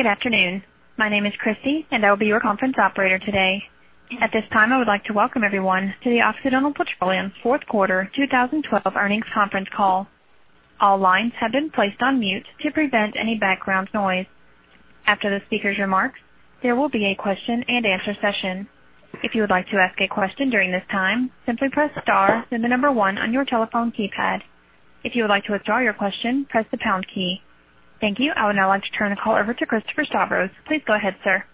Good afternoon. My name is Christy, and I will be your conference operator today. At this time, I would like to welcome everyone to Occidental Petroleum's fourth quarter 2012 earnings conference call. All lines have been placed on mute to prevent any background noise. After the speaker's remarks, there will be a question and answer session. If you would like to ask a question during this time, simply press star, then the number one on your telephone keypad. If you would like to withdraw your question, press the pound key. Thank you. I would now like to turn the call over to Christopher Stavros. Please go ahead, sir.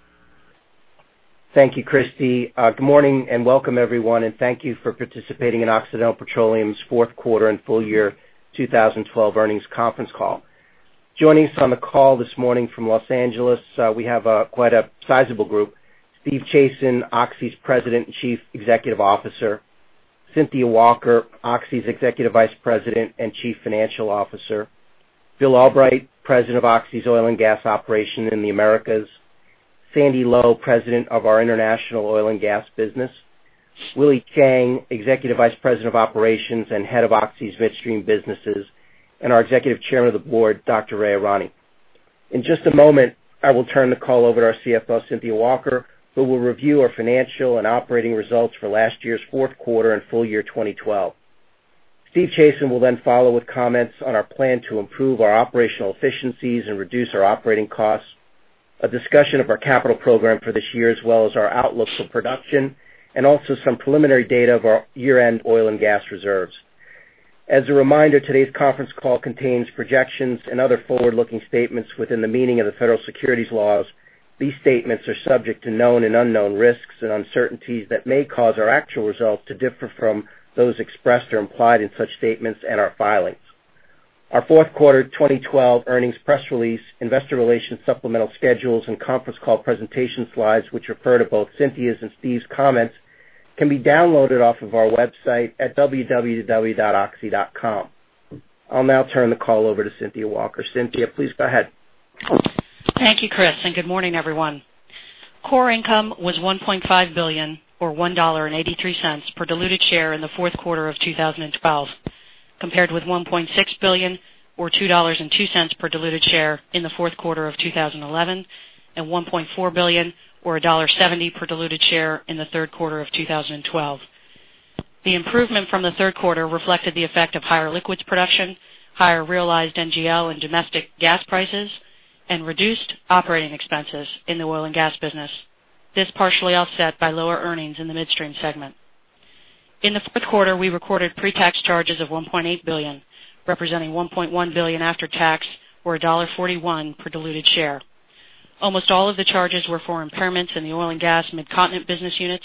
Thank you, Christy. Good morning. Welcome everyone, and thank you for participating in Occidental Petroleum's fourth quarter and full year 2012 earnings conference call. Joining us on the call this morning from Los Angeles, we have quite a sizable group. Steve Chazen, Oxy's President, Chief Executive Officer, Cynthia Walker, Oxy's Executive Vice President and Chief Financial Officer, Bill Albrecht, President of Oxy's Oil and Gas Operation in the Americas, Sandy Lowe, President of our International Oil and Gas business, Willie Chiang, Executive Vice President of Operations and head of Oxy's Midstream businesses, our Executive Chair of the Board, Dr. Ray Irani. In just a moment, I will turn the call over to our CFO, Cynthia Walker, who will review our financial and operating results for last year's fourth quarter and full year 2012. Steve Chazen will then follow with comments on our plan to improve our operational efficiencies and reduce our operating costs, a discussion of our capital program for this year, as well as our outlook for production, also some preliminary data of our year-end oil and gas reserves. As a reminder, today's conference call contains projections and other forward-looking statements within the meaning of the federal securities laws. These statements are subject to known and unknown risks and uncertainties that may cause our actual results to differ from those expressed or implied in such statements and our filings. Our fourth quarter 2012 earnings press release, investor relations supplemental schedules, and conference call presentation slides, which refer to both Cynthia's and Steve's comments, can be downloaded off of our website at www.oxy.com. I'll now turn the call over to Cynthia Walker. Cynthia, please go ahead. Thank you, Chris. Good morning, everyone. Core income was $1.5 billion, or $1.83 per diluted share in the fourth quarter of 2012, compared with $1.6 billion or $2.02 per diluted share in the fourth quarter of 2011, $1.4 billion or $1.70 per diluted share in the third quarter of 2012. The improvement from the third quarter reflected the effect of higher liquids production, higher realized NGL and domestic gas prices, and reduced operating expenses in the oil and gas business. This partially offset by lower earnings in the midstream segment. In the fourth quarter, we recorded pre-tax charges of $1.8 billion, representing $1.1 billion after tax, or $1.41 per diluted share. Almost all of the charges were for impairments in the oil and gas Mid-Continent business units,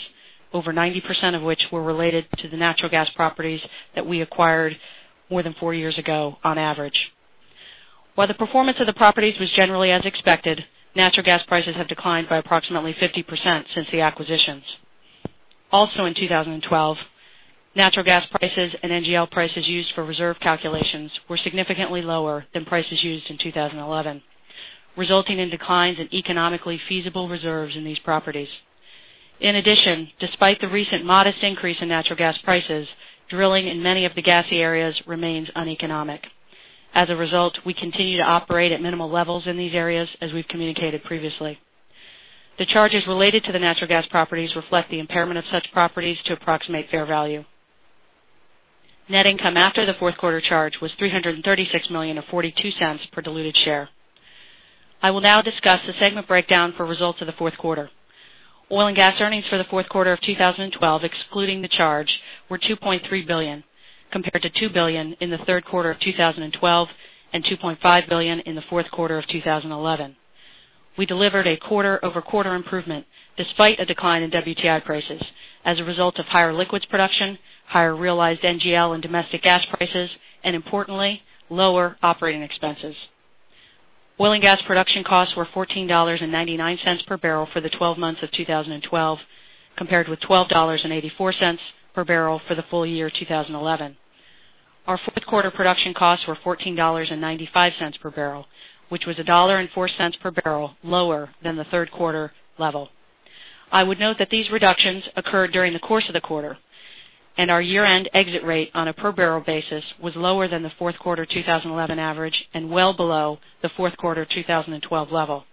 over 90% of which were related to the natural gas properties that we acquired more than four years ago on average. While the performance of the properties was generally as expected, natural gas prices have declined by approximately 50% since the acquisitions. In 2012, natural gas prices and NGL prices used for reserve calculations were significantly lower than prices used in 2011, resulting in declines in economically feasible reserves in these properties. In addition, despite the recent modest increase in natural gas prices, drilling in many of the gassy areas remains uneconomic. As a result, we continue to operate at minimal levels in these areas, as we've communicated previously. The charges related to the natural gas properties reflect the impairment of such properties to approximate fair value. Net income after the fourth quarter charge was $336 million or $0.42 per diluted share. I will now discuss the segment breakdown for results of the fourth quarter. Oil and gas earnings for the fourth quarter of 2012, excluding the charge, were $2.3 billion, compared to $2 billion in the third quarter of 2012 and $2.5 billion in the fourth quarter of 2011. We delivered a quarter-over-quarter improvement despite a decline in WTI prices as a result of higher liquids production, higher realized NGL and domestic gas prices, importantly, lower operating expenses. Oil and gas production costs were $14.99 per barrel for the 12 months of 2012, compared with $12.84 per barrel for the full year 2011. Our fourth quarter production costs were $14.95 per barrel, which was $1.04 per barrel lower than the third quarter level. I would note that these reductions occurred during the course of the quarter, and our year-end exit rate on a per barrel basis was lower than the fourth quarter 2011 average and well below the fourth quarter 2012 level.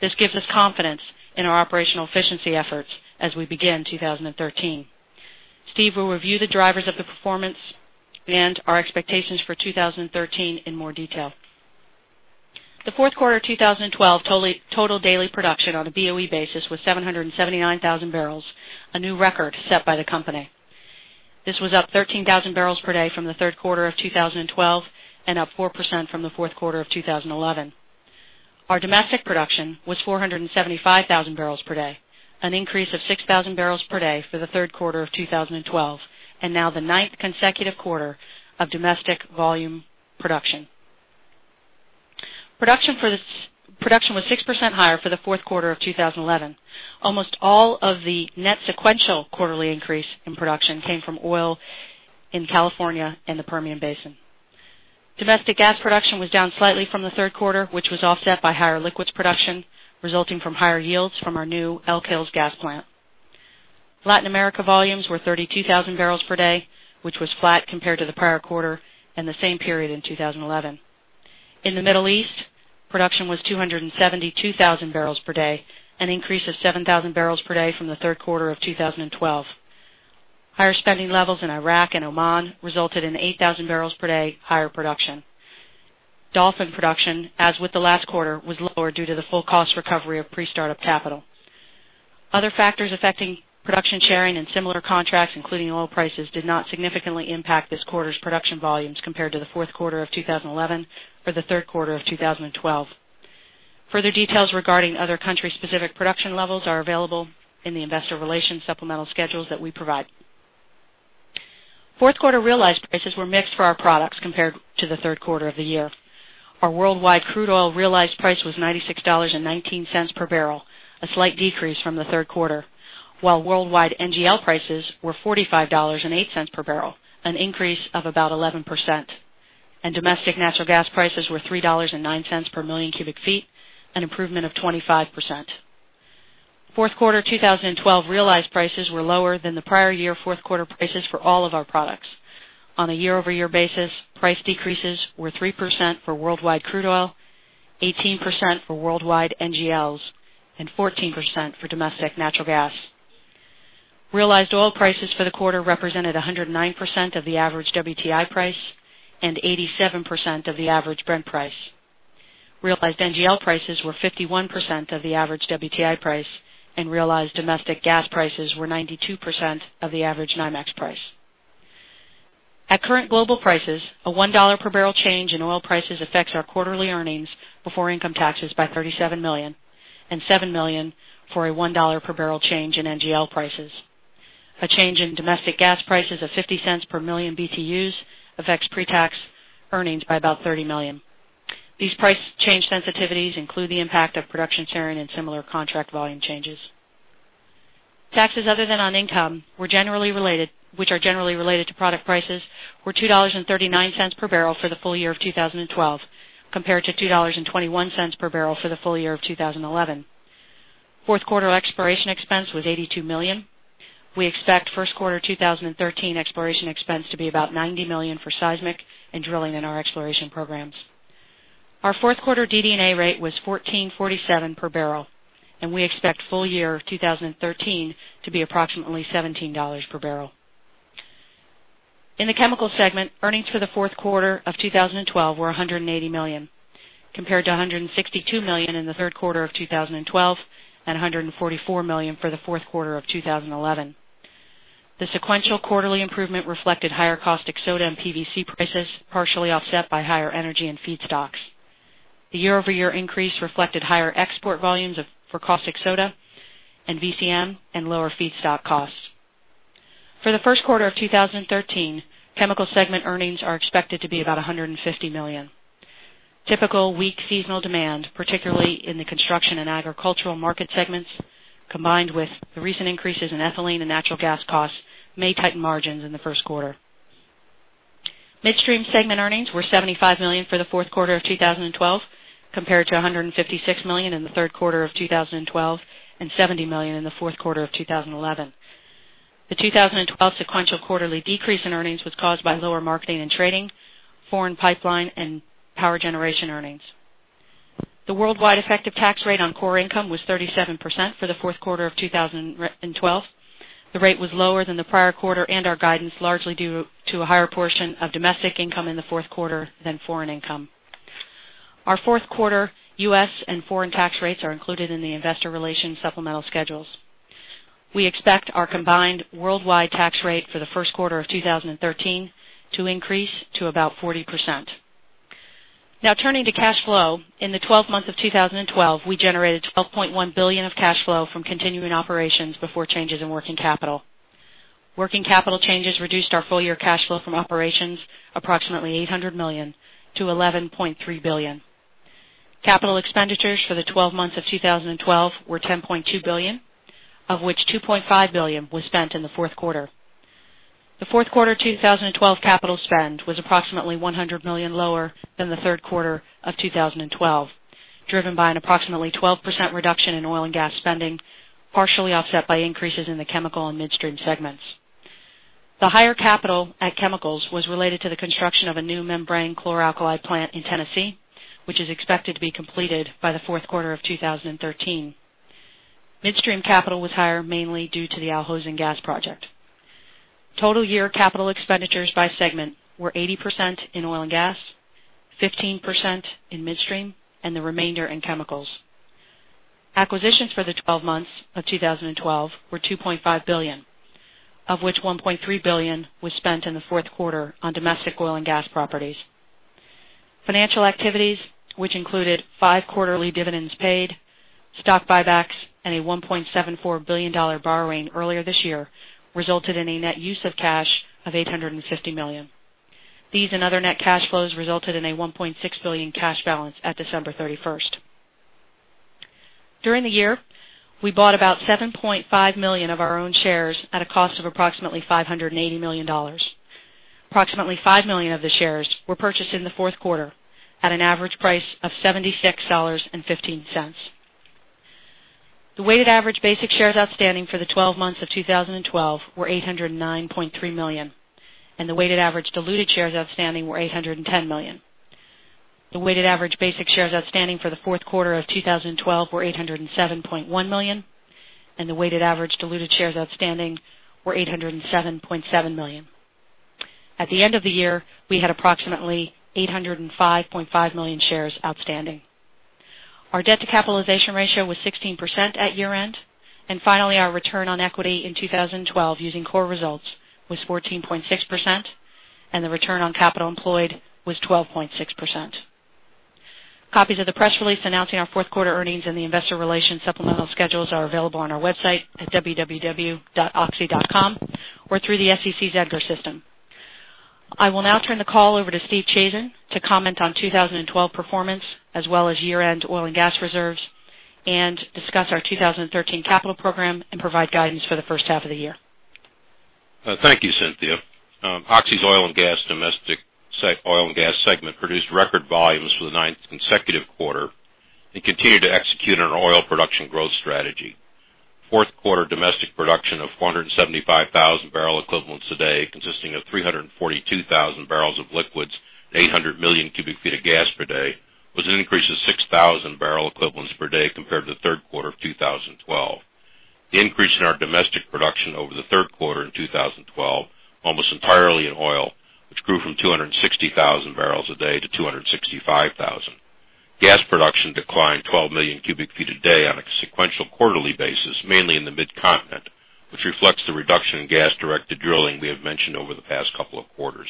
This gives us confidence in our operational efficiency efforts as we begin 2013. Steve will review the drivers of the performance and our expectations for 2013 in more detail. The fourth quarter 2012 total daily production on a BOE basis was 779,000 barrels, a new record set by the company. This was up 13,000 barrels per day from the third quarter of 2012 and up 4% from the fourth quarter of 2011. Our domestic production was 475,000 barrels per day, an increase of 6,000 barrels per day for the third quarter of 2012, and now the ninth consecutive quarter of domestic volume production. Production was 6% higher for the fourth quarter of 2011. Almost all of the net sequential quarterly increase in production came from oil in California and the Permian Basin. Domestic gas production was down slightly from the third quarter, which was offset by higher liquids production resulting from higher yields from our new Elk Hills gas plant. Latin America volumes were 32,000 barrels per day, which was flat compared to the prior quarter and the same period in 2011. In the Middle East, production was 272,000 barrels per day, an increase of 7,000 barrels per day from the third quarter of 2012. Higher spending levels in Iraq and Oman resulted in 8,000 barrels per day higher production. Dolphin production, as with the last quarter, was lower due to the full cost recovery of pre-startup capital. Other factors affecting production sharing and similar contracts, including oil prices, did not significantly impact this quarter's production volumes compared to the fourth quarter of 2011 or the third quarter of 2012. Further details regarding other country-specific production levels are available in the investor relations supplemental schedules that we provide. Fourth quarter realized prices were mixed for our products compared to the third quarter of the year. Our worldwide crude oil realized price was $96.19 per barrel, a slight decrease from the third quarter, while worldwide NGL prices were $45.08 per barrel, an increase of about 11%. Domestic natural gas prices were $3.09 per million cubic feet, an improvement of 25%. Fourth quarter 2012 realized prices were lower than the prior year fourth quarter prices for all of our products. On a year-over-year basis, price decreases were 3% for worldwide crude oil, 18% for worldwide NGLs, and 14% for domestic natural gas. Realized oil prices for the quarter represented 109% of the average WTI price and 87% of the average Brent price. Realized NGL prices were 51% of the average WTI price, and realized domestic gas prices were 92% of the average NYMEX price. At current global prices, a $1 per barrel change in oil prices affects our quarterly earnings before income taxes by $37 million and $7 million for a $1 per barrel change in NGL prices. A change in domestic gas prices of $0.50 per million BTUs affects pre-tax earnings by about $30 million. These price change sensitivities include the impact of production sharing and similar contract volume changes. Taxes other than on income, which are generally related to product prices, were $2.39 per barrel for the full year of 2012, compared to $2.21 per barrel for the full year of 2011. Fourth quarter exploration expense was $82 million. We expect first quarter 2013 exploration expense to be about $90 million for seismic and drilling in our exploration programs. Our fourth quarter DD&A rate was $14.47 per barrel, and we expect full year 2013 to be approximately $17 per barrel. In the Chemical segment, earnings for the fourth quarter of 2012 were $180 million, compared to $162 million in the third quarter of 2012 and $144 million for the fourth quarter of 2011. The sequential quarterly improvement reflected higher caustic soda and PVC prices, partially offset by higher energy and feedstocks. The year-over-year increase reflected higher export volumes for caustic soda and VCM and lower feedstock costs. For the first quarter of 2013, Chemical segment earnings are expected to be about $150 million. Typical weak seasonal demand, particularly in the construction and agricultural market segments, combined with the recent increases in ethylene and natural gas costs, may tighten margins in the first quarter. Midstream segment earnings were $75 million for the fourth quarter of 2012, compared to $156 million in the third quarter of 2012 and $70 million in the fourth quarter of 2011. The 2012 sequential quarterly decrease in earnings was caused by lower marketing and trading, foreign pipeline, and power generation earnings. The worldwide effective tax rate on core income was 37% for the fourth quarter of 2012. The rate was lower than the prior quarter and our guidance, largely due to a higher portion of domestic income in the fourth quarter than foreign income. Our fourth quarter U.S. and foreign tax rates are included in the investor relations supplemental schedules. We expect our combined worldwide tax rate for the first quarter of 2013 to increase to about 40%. Now turning to cash flow. In the 12 months of 2012, we generated $12.1 billion of cash flow from continuing operations before changes in working capital. Working capital changes reduced our full-year cash flow from operations approximately $800 million to $11.3 billion. Capital expenditures for the 12 months of 2012 were $10.2 billion, of which $2.5 billion was spent in the fourth quarter. The fourth quarter 2012 capital spend was approximately $100 million lower than the third quarter of 2012, driven by an approximately 12% reduction in oil and gas spending, partially offset by increases in the chemical and midstream segments. The higher capital at chemicals was related to the construction of a new membrane chlor-alkali plant in Tennessee, which is expected to be completed by the fourth quarter of 2013. Midstream capital was higher mainly due to the Al Hosn Gas project. Total year capital expenditures by segment were 80% in oil and gas, 15% in midstream, and the remainder in chemicals. Acquisitions for the 12 months of 2012 were $2.5 billion, of which $1.3 billion was spent in the fourth quarter on domestic oil and gas properties. Financial activities, which included five quarterly dividends paid, stock buybacks, and a $1.74 billion borrowing earlier this year, resulted in a net use of cash of $850 million. These and other net cash flows resulted in a $1.6 billion cash balance at December 31st. During the year, we bought about 7.5 million of our own shares at a cost of approximately $580 million. Approximately 5 million of the shares were purchased in the fourth quarter at an average price of $76.15. The weighted average basic shares outstanding for the 12 months of 2012 were 809.3 million, and the weighted average diluted shares outstanding were 810 million. The weighted average basic shares outstanding for the fourth quarter of 2012 were 807.1 million, and the weighted average diluted shares outstanding were 807.7 million. At the end of the year, we had approximately 805.5 million shares outstanding. Our debt-to-capitalization ratio was 16% at year-end. Finally, our return on equity in 2012 using core results was 14.6%, and the return on capital employed was 12.6%. Copies of the press release announcing our fourth quarter earnings and the investor relations supplemental schedules are available on our website at www.oxy.com or through the SEC's EDGAR system. I will now turn the call over to Steve Chazen to comment on 2012 performance, as well as year-end oil and gas reserves, and discuss our 2013 capital program and provide guidance for the first half of the year. Thank you, Cynthia. Oxy's oil and gas segment produced record volumes for the ninth consecutive quarter and continued to execute on our oil production growth strategy. Fourth quarter domestic production of 475,000 barrel equivalents a day, consisting of 342,000 barrels of liquids and 800 million cubic feet of gas per day, was an increase of 6,000 barrel equivalents per day compared to the third quarter of 2012. The increase in our domestic production over the third quarter in 2012, almost entirely in oil, which grew from 260,000 barrels a day to 265,000. Gas production declined 12 million cubic feet a day on a sequential quarterly basis, mainly in the Mid-Continent, which reflects the reduction in gas-directed drilling we have mentioned over the past couple of quarters.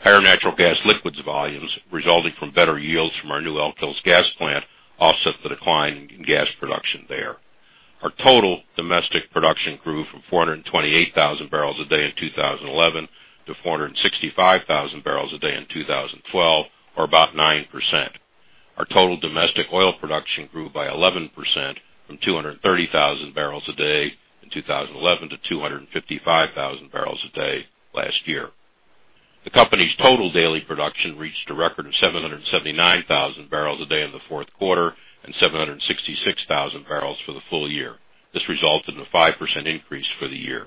Higher natural gas liquids volumes resulting from better yields from our new Elk Hills gas plant offset the decline in gas production there. Our total domestic production grew from 428,000 barrels a day in 2011 to 465,000 barrels a day in 2012, or about 9%. Our total domestic oil production grew by 11%, from 230,000 barrels a day in 2011 to 255,000 barrels a day last year. The company's total daily production reached a record of 779,000 barrels a day in the fourth quarter and 766,000 barrels for the full year. This resulted in a 5% increase for the year.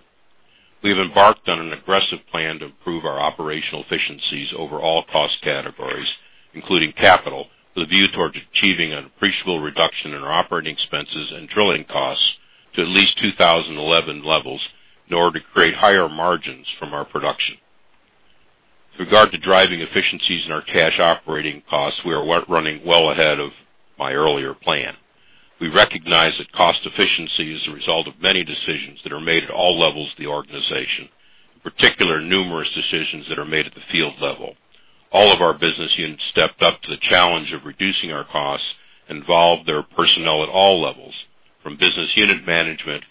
We have embarked on an aggressive plan to improve our operational efficiencies over all cost categories, including capital, with a view towards achieving an appreciable reduction in our operating expenses and drilling costs to at least 2011 levels in order to create higher margins from our production. With regard to driving efficiencies in our cash operating costs, we are running well ahead of my earlier plan. We recognize that cost efficiency is the result of many decisions that are made at all levels of the organization, in particular, numerous decisions that are made at the field level. All of our business units stepped up to the challenge of reducing our costs and involved their personnel at all levels, from business unit management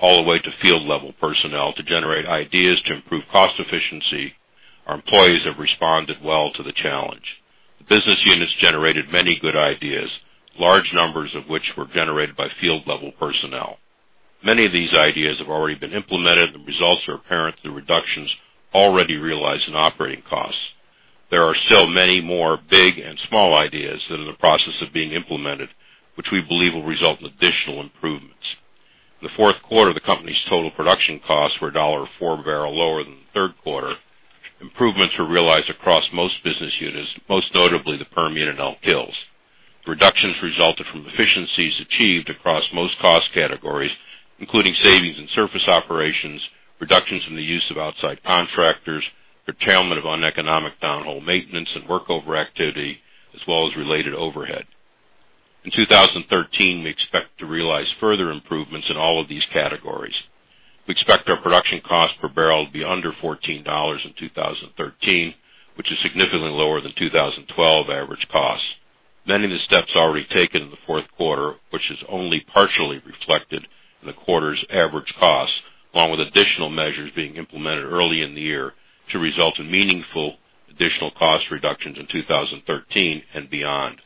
all the way to field-level personnel to generate ideas to improve cost efficiency. Our employees have responded well to the challenge. The business units generated many good ideas, large numbers of which were generated by field-level personnel. Many of these ideas have already been implemented, and the results are apparent through reductions already realized in operating costs. There are still many more big and small ideas that are in the process of being implemented, which we believe will result in additional improvements. In the fourth quarter, the company's total production costs were $1.04 a barrel lower than the third quarter. Improvements were realized across most business units, most notably the Permian and Elk Hills. Reductions resulted from efficiencies achieved across most cost categories, including savings in surface operations, reductions in the use of outside contractors, curtailment of uneconomic downhole maintenance, and workover activity, as well as related overhead. In 2013, we expect to realize further improvements in all of these categories. We expect our production cost per barrel to be under $14 in 2013, which is significantly lower than 2012 average costs. Many of the steps already taken in the fourth quarter, which is only partially reflected in the quarter's average costs, along with additional measures being implemented early in the year to result in meaningful additional cost reductions in 2013 and beyond.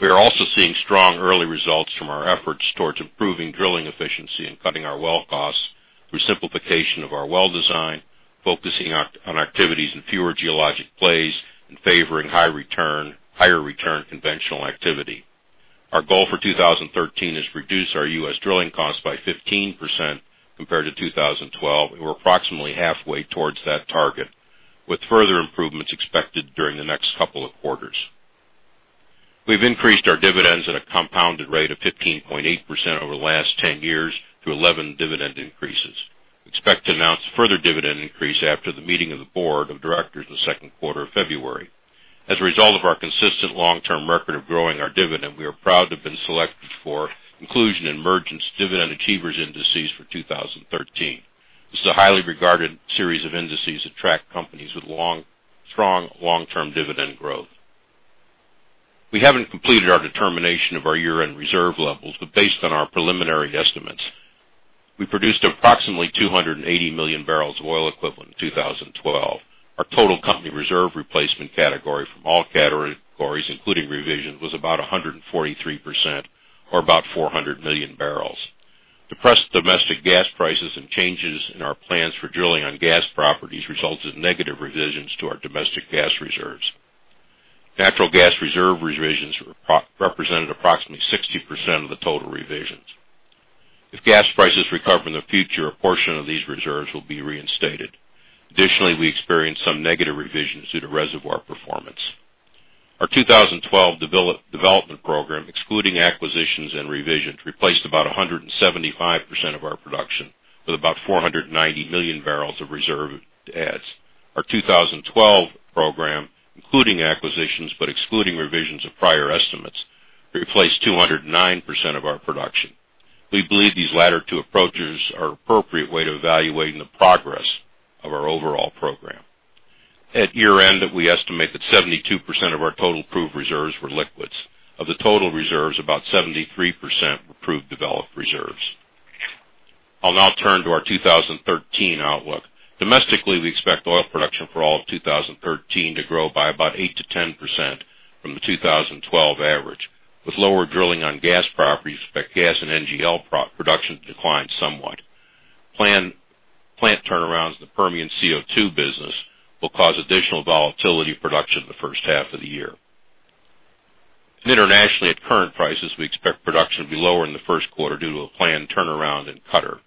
We are also seeing strong early results from our efforts towards improving drilling efficiency and cutting our well costs through simplification of our well design, focusing on activities in fewer geologic plays, and favoring higher return conventional activity. Our goal for 2013 is to reduce our U.S. drilling costs by 15% compared to 2012. We're approximately halfway towards that target, with further improvements expected during the next couple of quarters. We've increased our dividends at a compounded rate of 15.8% over the last 10 years through 11 dividend increases. We expect to announce a further dividend increase after the meeting of the board of directors in the second week of February. As a result of our consistent long-term record of growing our dividend, we are proud to have been selected for inclusion in Mergent's Dividend Achievers indices for 2013. This is a highly regarded series of indices that track companies with strong long-term dividend growth. We haven't completed our determination of our year-end reserve levels, but based on our preliminary estimates, we produced approximately 280 million barrels of oil equivalent in 2012. Our total company reserve replacement category from all categories, including revisions, was about 143%, or about 400 million barrels. Depressed domestic gas prices and changes in our plans for drilling on gas properties resulted in negative revisions to our domestic gas reserves. Natural gas reserve revisions represented approximately 60% of the total revisions. If gas prices recover in the future, a portion of these reserves will be reinstated. Additionally, we experienced some negative revisions due to reservoir performance. Our 2012 development program, excluding acquisitions and revisions, replaced about 175% of our production with about 490 million barrels of reserve adds. Our 2012 program, including acquisitions but excluding revisions of prior estimates, replaced 209% of our production. We believe these latter two approaches are appropriate way to evaluating the progress of our overall program. At year-end, we estimate that 72% of our total proved reserves were liquids. Of the total reserves, about 73% were proved developed reserves. I'll now turn to our 2013 outlook. Domestically, we expect oil production for all of 2013 to grow by about 8%-10% from the 2012 average. With lower drilling on gas properties, we expect gas and NGL production to decline somewhat. Plant turnarounds in the Permian CO2 business will cause additional volatility production in the first half of the year. Internationally, at current prices, we expect production to be lower in the first quarter due to a planned turnaround in Qatar.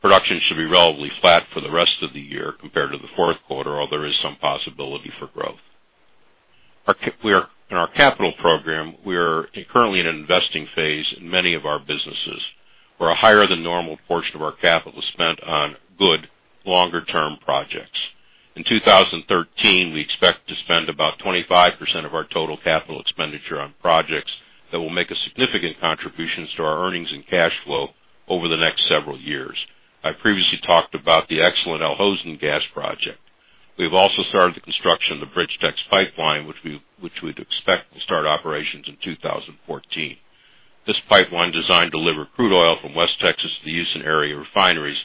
Production should be relatively flat for the rest of the year compared to the fourth quarter, although there is some possibility for growth. In our capital program, we are currently in an investing phase in many of our businesses, where a higher than normal portion of our capital is spent on good longer-term projects. In 2013, we expect to spend about 25% of our total capital expenditure on projects that will make a significant contribution to our earnings and cash flow over the next several years. I previously talked about the excellent Al Hosn Gas project. We have also started the construction of the BridgeTex Pipeline, which we'd expect will start operations in 2014. This pipeline designed to deliver crude oil from West Texas to the Houston area refineries,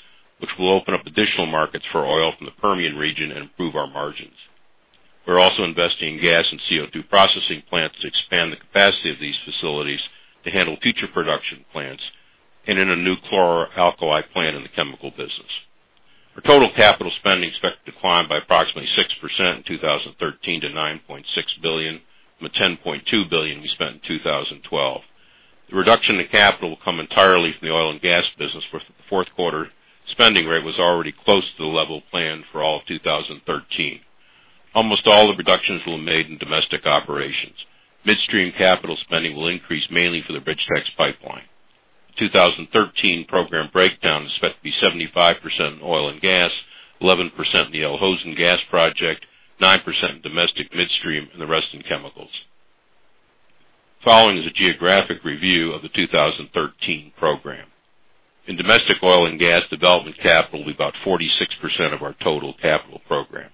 which will open up additional markets for oil from the Permian region and improve our margins. We're also investing in gas and CO2 processing plants to expand the capacity of these facilities to handle future production plants and in a new chlor-alkali plant in the chemical business. Our total capital spending is expected to decline by approximately 6% in 2013 to $9.6 billion from the $10.2 billion we spent in 2012. The reduction in capital will come entirely from the oil and gas business, where fourth quarter spending rate was already close to the level planned for all of 2013. Almost all the reductions will be made in domestic operations. Midstream capital spending will increase mainly for the BridgeTex Pipeline. 2013 program breakdown is expected to be 75% in oil and gas, 11% in the Al Hosn Gas project, 9% in domestic midstream, and the rest in chemicals. Following is a geographic review of the 2013 program. In domestic oil and gas, development capital will be about 46% of our total capital program.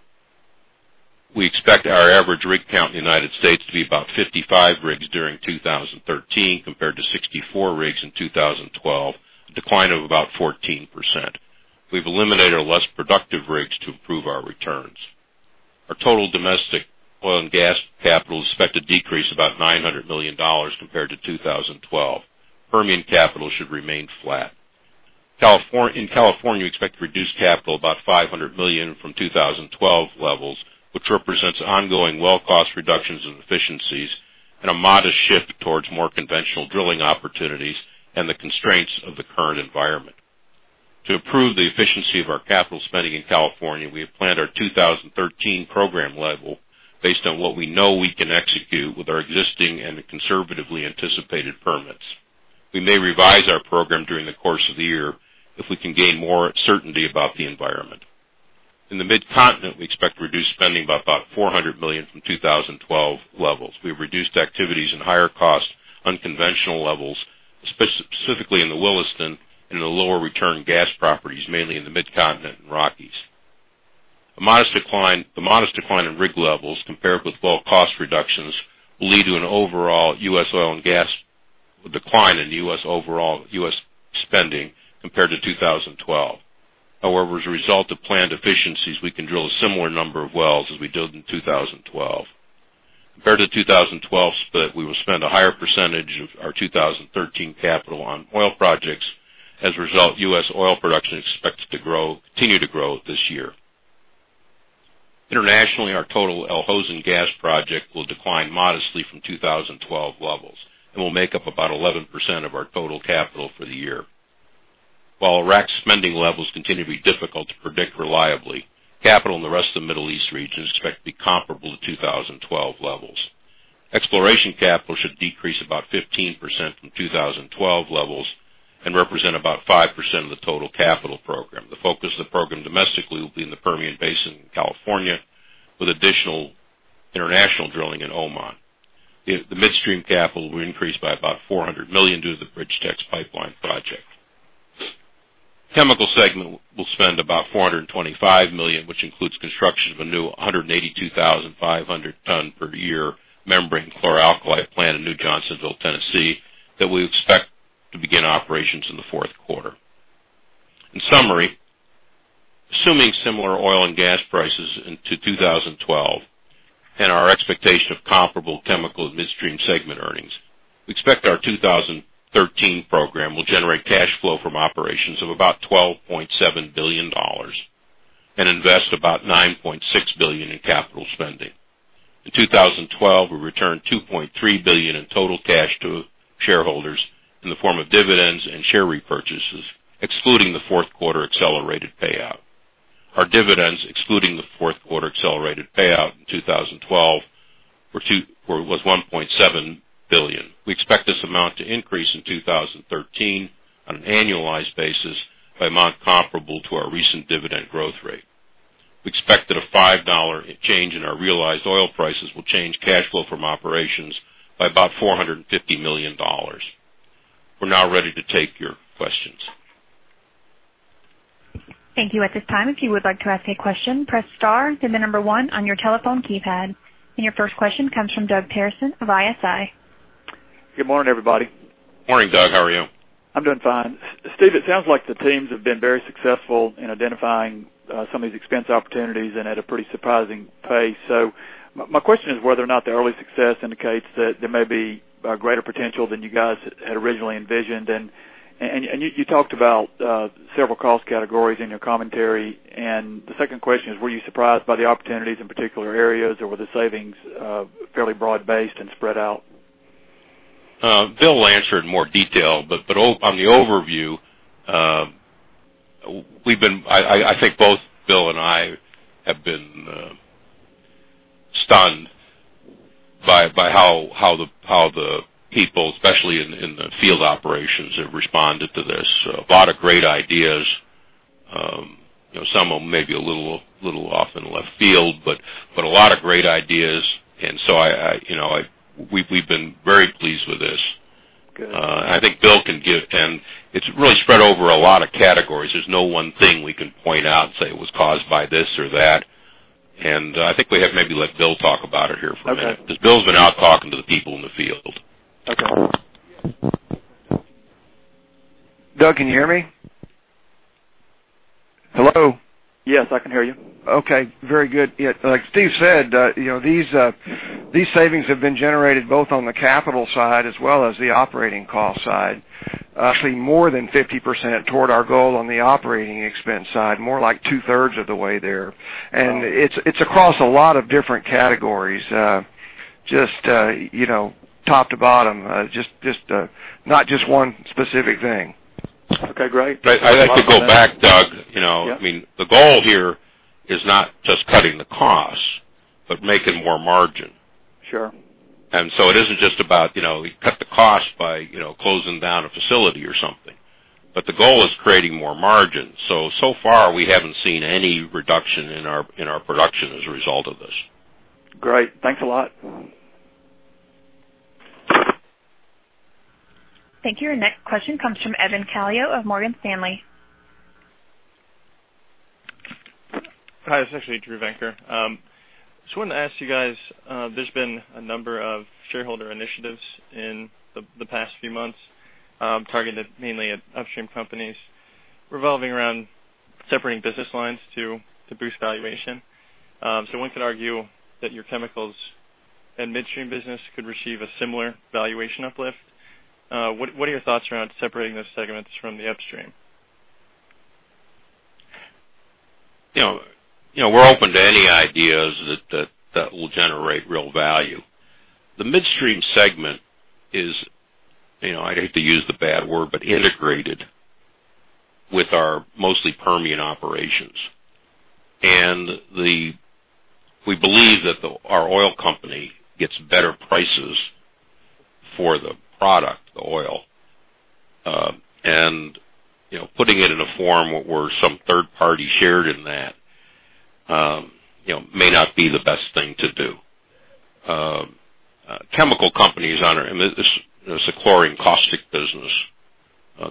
We expect our average rig count in the U.S. to be about 55 rigs during 2013 compared to 64 rigs in 2012, a decline of about 14%. We've eliminated our less productive rigs to improve our returns. Our total domestic oil and gas capital is expected to decrease about $900 million compared to 2012. Permian capital should remain flat. In California, we expect to reduce capital about $500 million from 2012 levels, which represents ongoing well cost reductions and efficiencies and a modest shift towards more conventional drilling opportunities and the constraints of the current environment. To improve the efficiency of our capital spending in California, we have planned our 2013 program level based on what we know we can execute with our existing and conservatively anticipated permits. We may revise our program during the course of the year if we can gain more certainty about the environment. In the Mid-Continent, we expect to reduce spending by about $400 million from 2012 levels. We have reduced activities in higher cost, unconventional levels, specifically in the Williston and in the lower return gas properties, mainly in the Mid-Continent and Rockies. The modest decline in rig levels compared with well cost reductions will lead to an overall decline in the U.S. spending compared to 2012. However, as a result of planned efficiencies, we can drill a similar number of wells as we drilled in 2012. Compared to 2012's split, we will spend a higher percentage of our 2013 capital on oil projects. As a result, U.S. oil production is expected to continue to grow this year. Internationally, our total Al Hosn Gas project will decline modestly from 2012 levels and will make up about 11% of our total capital for the year. While Iraq spending levels continue to be difficult to predict reliably, capital in the rest of the Middle East region is expected to be comparable to 2012 levels. Exploration capital should decrease about 15% from 2012 levels and represent about 5% of the total capital program. The focus of the program domestically will be in the Permian Basin in California, with additional international drilling in Oman. The midstream capital will increase by about $400 million due to the BridgeTex Pipeline project. Chemical segment will spend about $425 million, which includes construction of a new 182,500 ton per year membrane chlor-alkali plant in New Johnsonville, Tennessee, that we expect to begin operations in the fourth quarter. In summary, assuming similar oil and gas prices into 2012 and our expectation of comparable chemical and midstream segment earnings, we expect our 2013 program will generate cash flow from operations of about $12.7 billion and invest about $9.6 billion in capital spending. In 2012, we returned $2.3 billion in total cash to shareholders in the form of dividends and share repurchases, excluding the fourth quarter accelerated payout. Our dividends, excluding the fourth quarter accelerated payout in 2012, was $1.7 billion. We expect this amount to increase in 2013 on an annualized basis by an amount comparable to our recent dividend growth rate. We expect that a $5 change in our realized oil prices will change cash flow from operations by about $450 million. We're now ready to take your questions. Thank you. At this time, if you would like to ask a question, press star, then the number 1 on your telephone keypad. Your first question comes from Doug Pearson of ISI. Good morning, everybody. Morning, Doug. How are you? I'm doing fine. Steve, it sounds like the teams have been very successful in identifying some of these expense opportunities and at a pretty surprising pace. My question is whether or not the early success indicates that there may be a greater potential than you guys had originally envisioned. You talked about several cost categories in your commentary. The second question is, were you surprised by the opportunities in particular areas, or were the savings fairly broad-based and spread out? Bill will answer in more detail, but on the overview, I think both Bill and I have been stunned by how the people, especially in the field operations, have responded to this. A lot of great ideas. Some of them may be a little off in left field, but a lot of great ideas. We've been very pleased with this. Good. It's really spread over a lot of categories. There's no one thing we can point out and say it was caused by this or that. I think we have maybe let Bill talk about it here for a minute. Okay. Bill's been out talking to the people in the field. Okay. Doug, can you hear me? Hello? Yes, I can hear you. Okay, very good. Like Steve said, these savings have been generated both on the capital side as well as the operating cost side. I see more than 50% toward our goal on the operating expense side, more like two-thirds of the way there. Wow. It's across a lot of different categories. Just top to bottom, not just one specific thing. Okay, great. I'd like to go back, Doug. Yeah. The goal here is not just cutting the costs, but making more margin. Sure. It isn't just about, we cut the cost by closing down a facility or something. The goal is creating more margin. So far, we haven't seen any reduction in our production as a result of this. Great. Thanks a lot. Thank you. Our next question comes from Evan Calio of Morgan Stanley. Hi, this is actually Drew Vanker. Just wanted to ask you guys, there's been a number of shareholder initiatives in the past few months, targeted mainly at upstream companies, revolving around separating business lines to boost valuation. One could argue that your chemicals and midstream business could receive a similar valuation uplift. What are your thoughts around separating those segments from the upstream? We're open to any ideas that will generate real value. The midstream segment is, I'd hate to use the bad word, but integrated with our mostly Permian operations. We believe that our oil company gets better prices for the product, the oil. Putting it in a form where some third party shared in that may not be the best thing to do. This is a chlorine caustic business.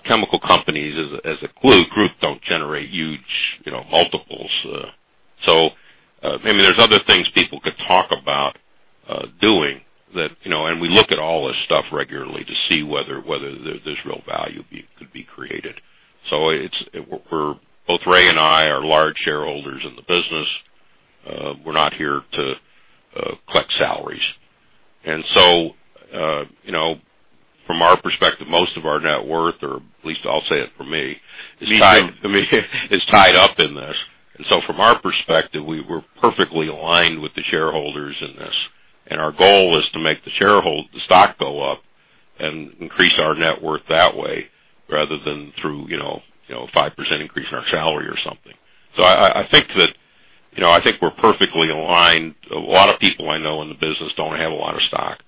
Chemical companies, as a group, don't generate huge multiples. Maybe there's other things people could talk about doing. We look at all this stuff regularly to see whether there's real value could be created. Both Ray and I are large shareholders in the business. We're not here to collect salaries. From our perspective, most of our net worth, or at least I'll say it for me- Me too Is tied up in this. From our perspective, we're perfectly aligned with the shareholders in this. Our goal is to make the stock go up and increase our net worth that way, rather than through a 5% increase in our salary or something. I think we're perfectly aligned. A lot of people I know in the business don't have a lot of stock.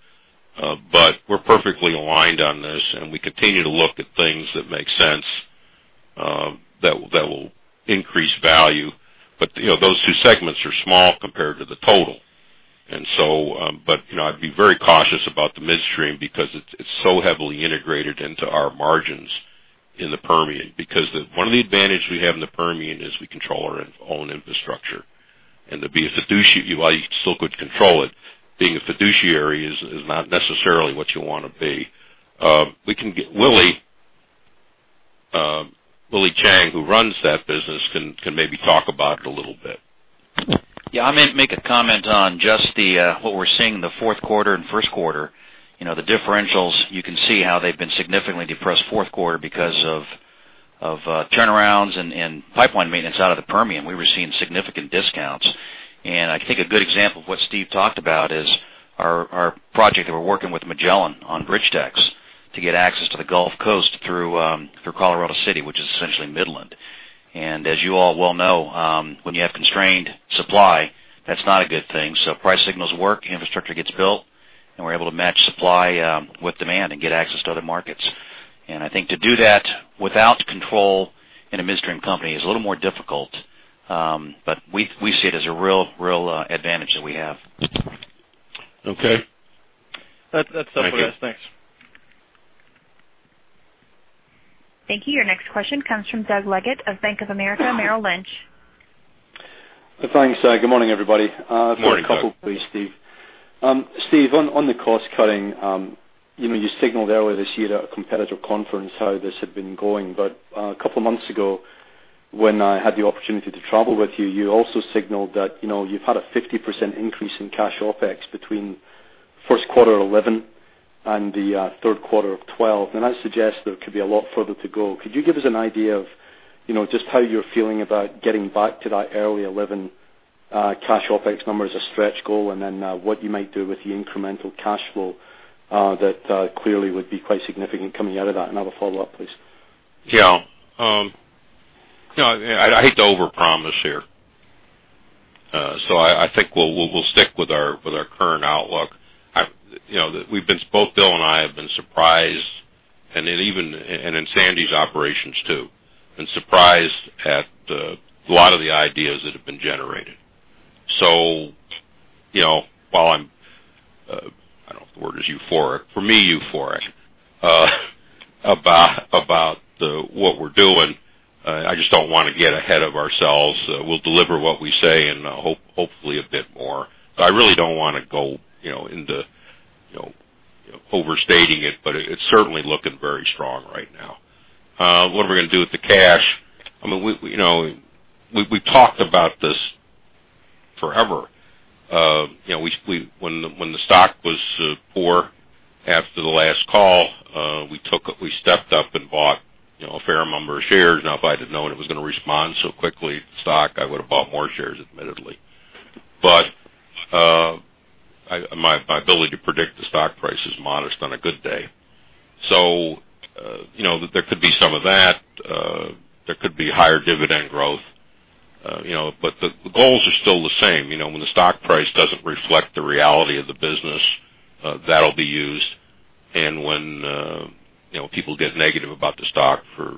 We're perfectly aligned on this, and we continue to look at things that make sense that will increase value. Those two segments are small compared to the total. I'd be very cautious about the midstream because it's so heavily integrated into our margins in the Permian. One of the advantages we have in the Permian is we control our own infrastructure. To be a fiduciary, while you still could control it, being a fiduciary is not necessarily what you want to be. We can get Willie. Willie Chiang, who runs that business, can maybe talk about it a little bit. I'm going to make a comment on just what we're seeing in the fourth quarter and first quarter. The differentials, you can see how they've been significantly depressed fourth quarter because of turnarounds and pipeline maintenance out of the Permian. We were seeing significant discounts. I think a good example of what Steve talked about is our project that we're working with Magellan on BridgeTex to get access to the Gulf Coast through Colorado City, which is essentially Midland. As you all well know, when you have constrained supply, that's not a good thing. Price signals work, infrastructure gets built, and we're able to match supply with demand and get access to other markets. I think to do that without control in a midstream company is a little more difficult. We see it as a real advantage that we have. Okay. That's all for us. Thanks. Thank you. Your next question comes from Doug Leggate of Bank of America Merrill Lynch. Thanks. Good morning, everybody. Morning, Doug. A couple, please, Steve. Steve, on the cost cutting, you signaled earlier this year at a competitor conference how this had been going. A couple of months ago, when I had the opportunity to travel with you also signaled that you've had a 50% increase in cash OpEx between first quarter 2011 and the third quarter of 2012. That suggests there could be a lot further to go. Could you give us an idea of just how you're feeling about getting back to that early 2011 cash OpEx number as a stretch goal, and then what you might do with the incremental cash flow that clearly would be quite significant coming out of that? I have a follow-up, please. Yeah. I hate to overpromise here. I think we'll stick with our current outlook. Both Bill and I have been surprised, and Sandy's operations too, been surprised at a lot of the ideas that have been generated. While I'm, I don't know if the word is euphoric, for me, euphoric about what we're doing, I just don't want to get ahead of ourselves. We'll deliver what we say and hopefully a bit more. I really don't want to go into overstating it, but it's certainly looking very strong right now. What are we going to do with the cash? We've talked about this forever. When the stock was poor after the last call, we stepped up and bought a fair number of shares. If I'd have known it was going to respond so quickly, the stock, I would've bought more shares, admittedly. My ability to predict the stock price is modest on a good day. There could be some of that. There could be higher dividend growth. The goals are still the same. When the stock price doesn't reflect the reality of the business, that'll be used. When people get negative about the stock for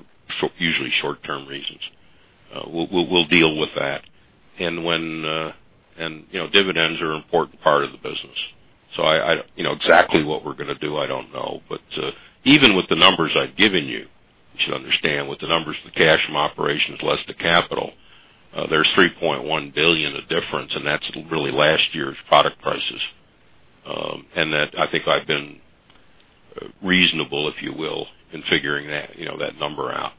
usually short-term reasons, we'll deal with that. Dividends are an important part of the business. Exactly what we're going to do, I don't know. Even with the numbers I've given you should understand, with the numbers, the cash from operations less the capital, there's $3.1 billion of difference, and that's really last year's product prices. That I think I've been reasonable, if you will, in figuring that number out.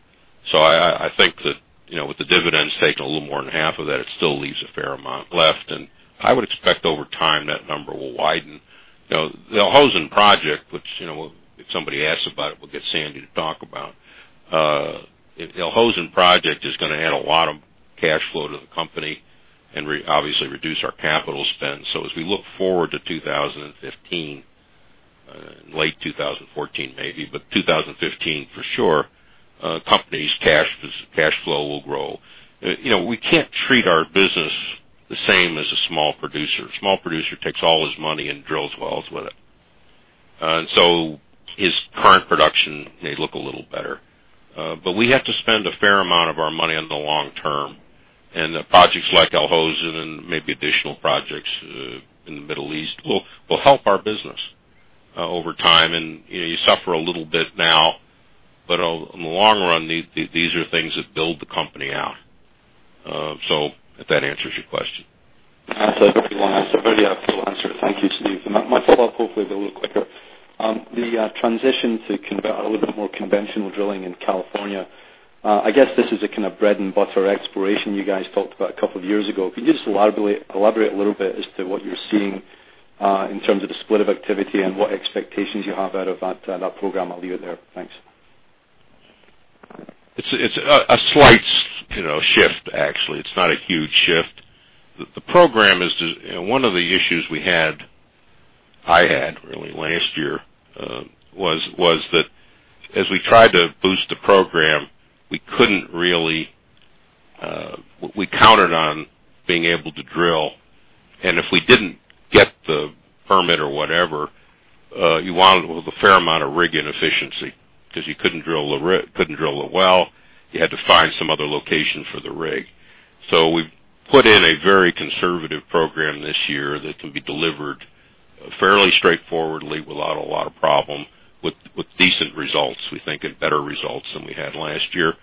I think that with the dividends taking a little more than half of that, it still leaves a fair amount left. I would expect over time, that number will widen. The Al Hosn project, which if somebody asks about it, we'll get Sandy to talk about. Al Hosn project is going to add a lot of cash flow to the company and obviously reduce our capital spend. As we look forward to 2015, late 2014 maybe, but 2015 for sure, company's cash flow will grow. We can't treat our business the same as a small producer. Small producer takes all his money and drills wells with it. His current production may look a little better. We have to spend a fair amount of our money on the long term, and the projects like Al Hosn and maybe additional projects in the Middle East will help our business over time. You suffer a little bit now, but in the long run, these are things that build the company out. If that answers your question. That's a very helpful answer. Thank you, Steve. My follow-up hopefully will be a little quicker. The transition to a little bit more conventional drilling in California, I guess this is a kind of bread-and-butter exploration you guys talked about a couple of years ago. Could you just elaborate a little bit as to what you're seeing in terms of the split of activity and what expectations you have out of that program? I'll leave it there. Thanks. It's a slight shift, actually. It's not a huge shift. One of the issues we had, I had really last year, was that as we tried to boost the program, we counted on being able to drill, and if we didn't get the permit or whatever, you wound with a fair amount of rig inefficiency because you couldn't drill the well. You had to find some other location for the rig. We've put in a very conservative program this year that can be delivered fairly straightforwardly without a lot of problem, with decent results, we think, and better results than we had last year.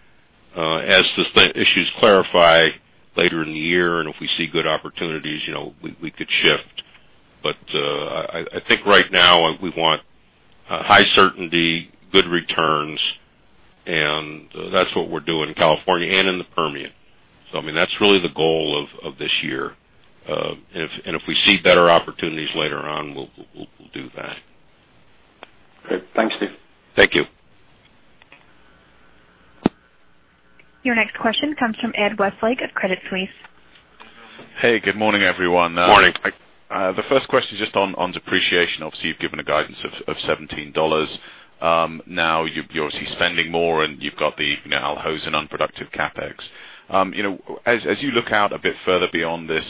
As the issues clarify later in the year, and if we see good opportunities, we could shift. I think right now we want high certainty, good returns, and that's what we're doing in California and in the Permian. That's really the goal of this year. If we see better opportunities later on, we'll do that. Great. Thanks, Steve. Thank you. Your next question comes from Ed Westlake of Credit Suisse. Hey, good morning, everyone. Morning. The first question is just on depreciation. Obviously, you've given a guidance of $17. Now you're obviously spending more and you've got the Al Hosn unproductive CapEx. As you look out a bit further beyond this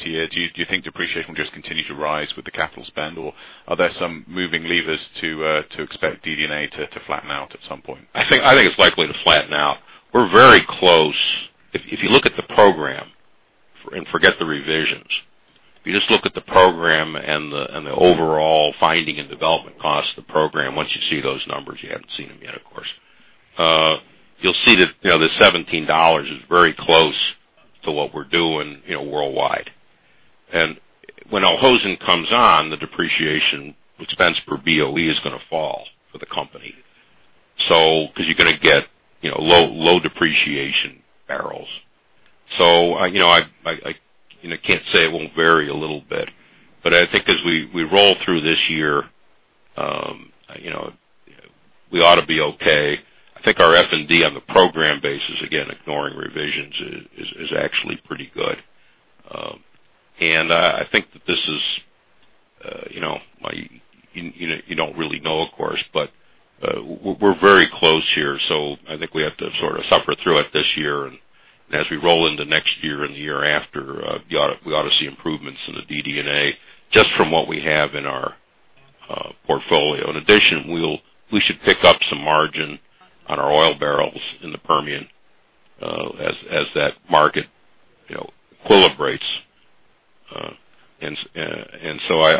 year, do you think depreciation will just continue to rise with the capital spend? Or are there some moving levers to expect DD&A to flatten out at some point? I think it's likely to flatten out. We're very close. If you look at the program, forget the revisions. If you just look at the program and the overall finding and development cost of the program, once you see those numbers, you haven't seen them yet, of course. You'll see that the $17 is very close to what we're doing worldwide. When Al Hosn comes on, the depreciation expense per BOE is going to fall for the company, because you're going to get low depreciation barrels. I can't say it won't vary a little bit, but I think as we roll through this year, we ought to be okay. I think our F&D on the program basis, again, ignoring revisions, is actually pretty good. I think that this is, you don't really know, of course, but we're very close here. I think we have to sort of suffer through it this year, and as we roll into next year and the year after, we ought to see improvements in the DD&A just from what we have in our portfolio. In addition, we should pick up some margin on our oil barrels in the Permian as that market equilibrates.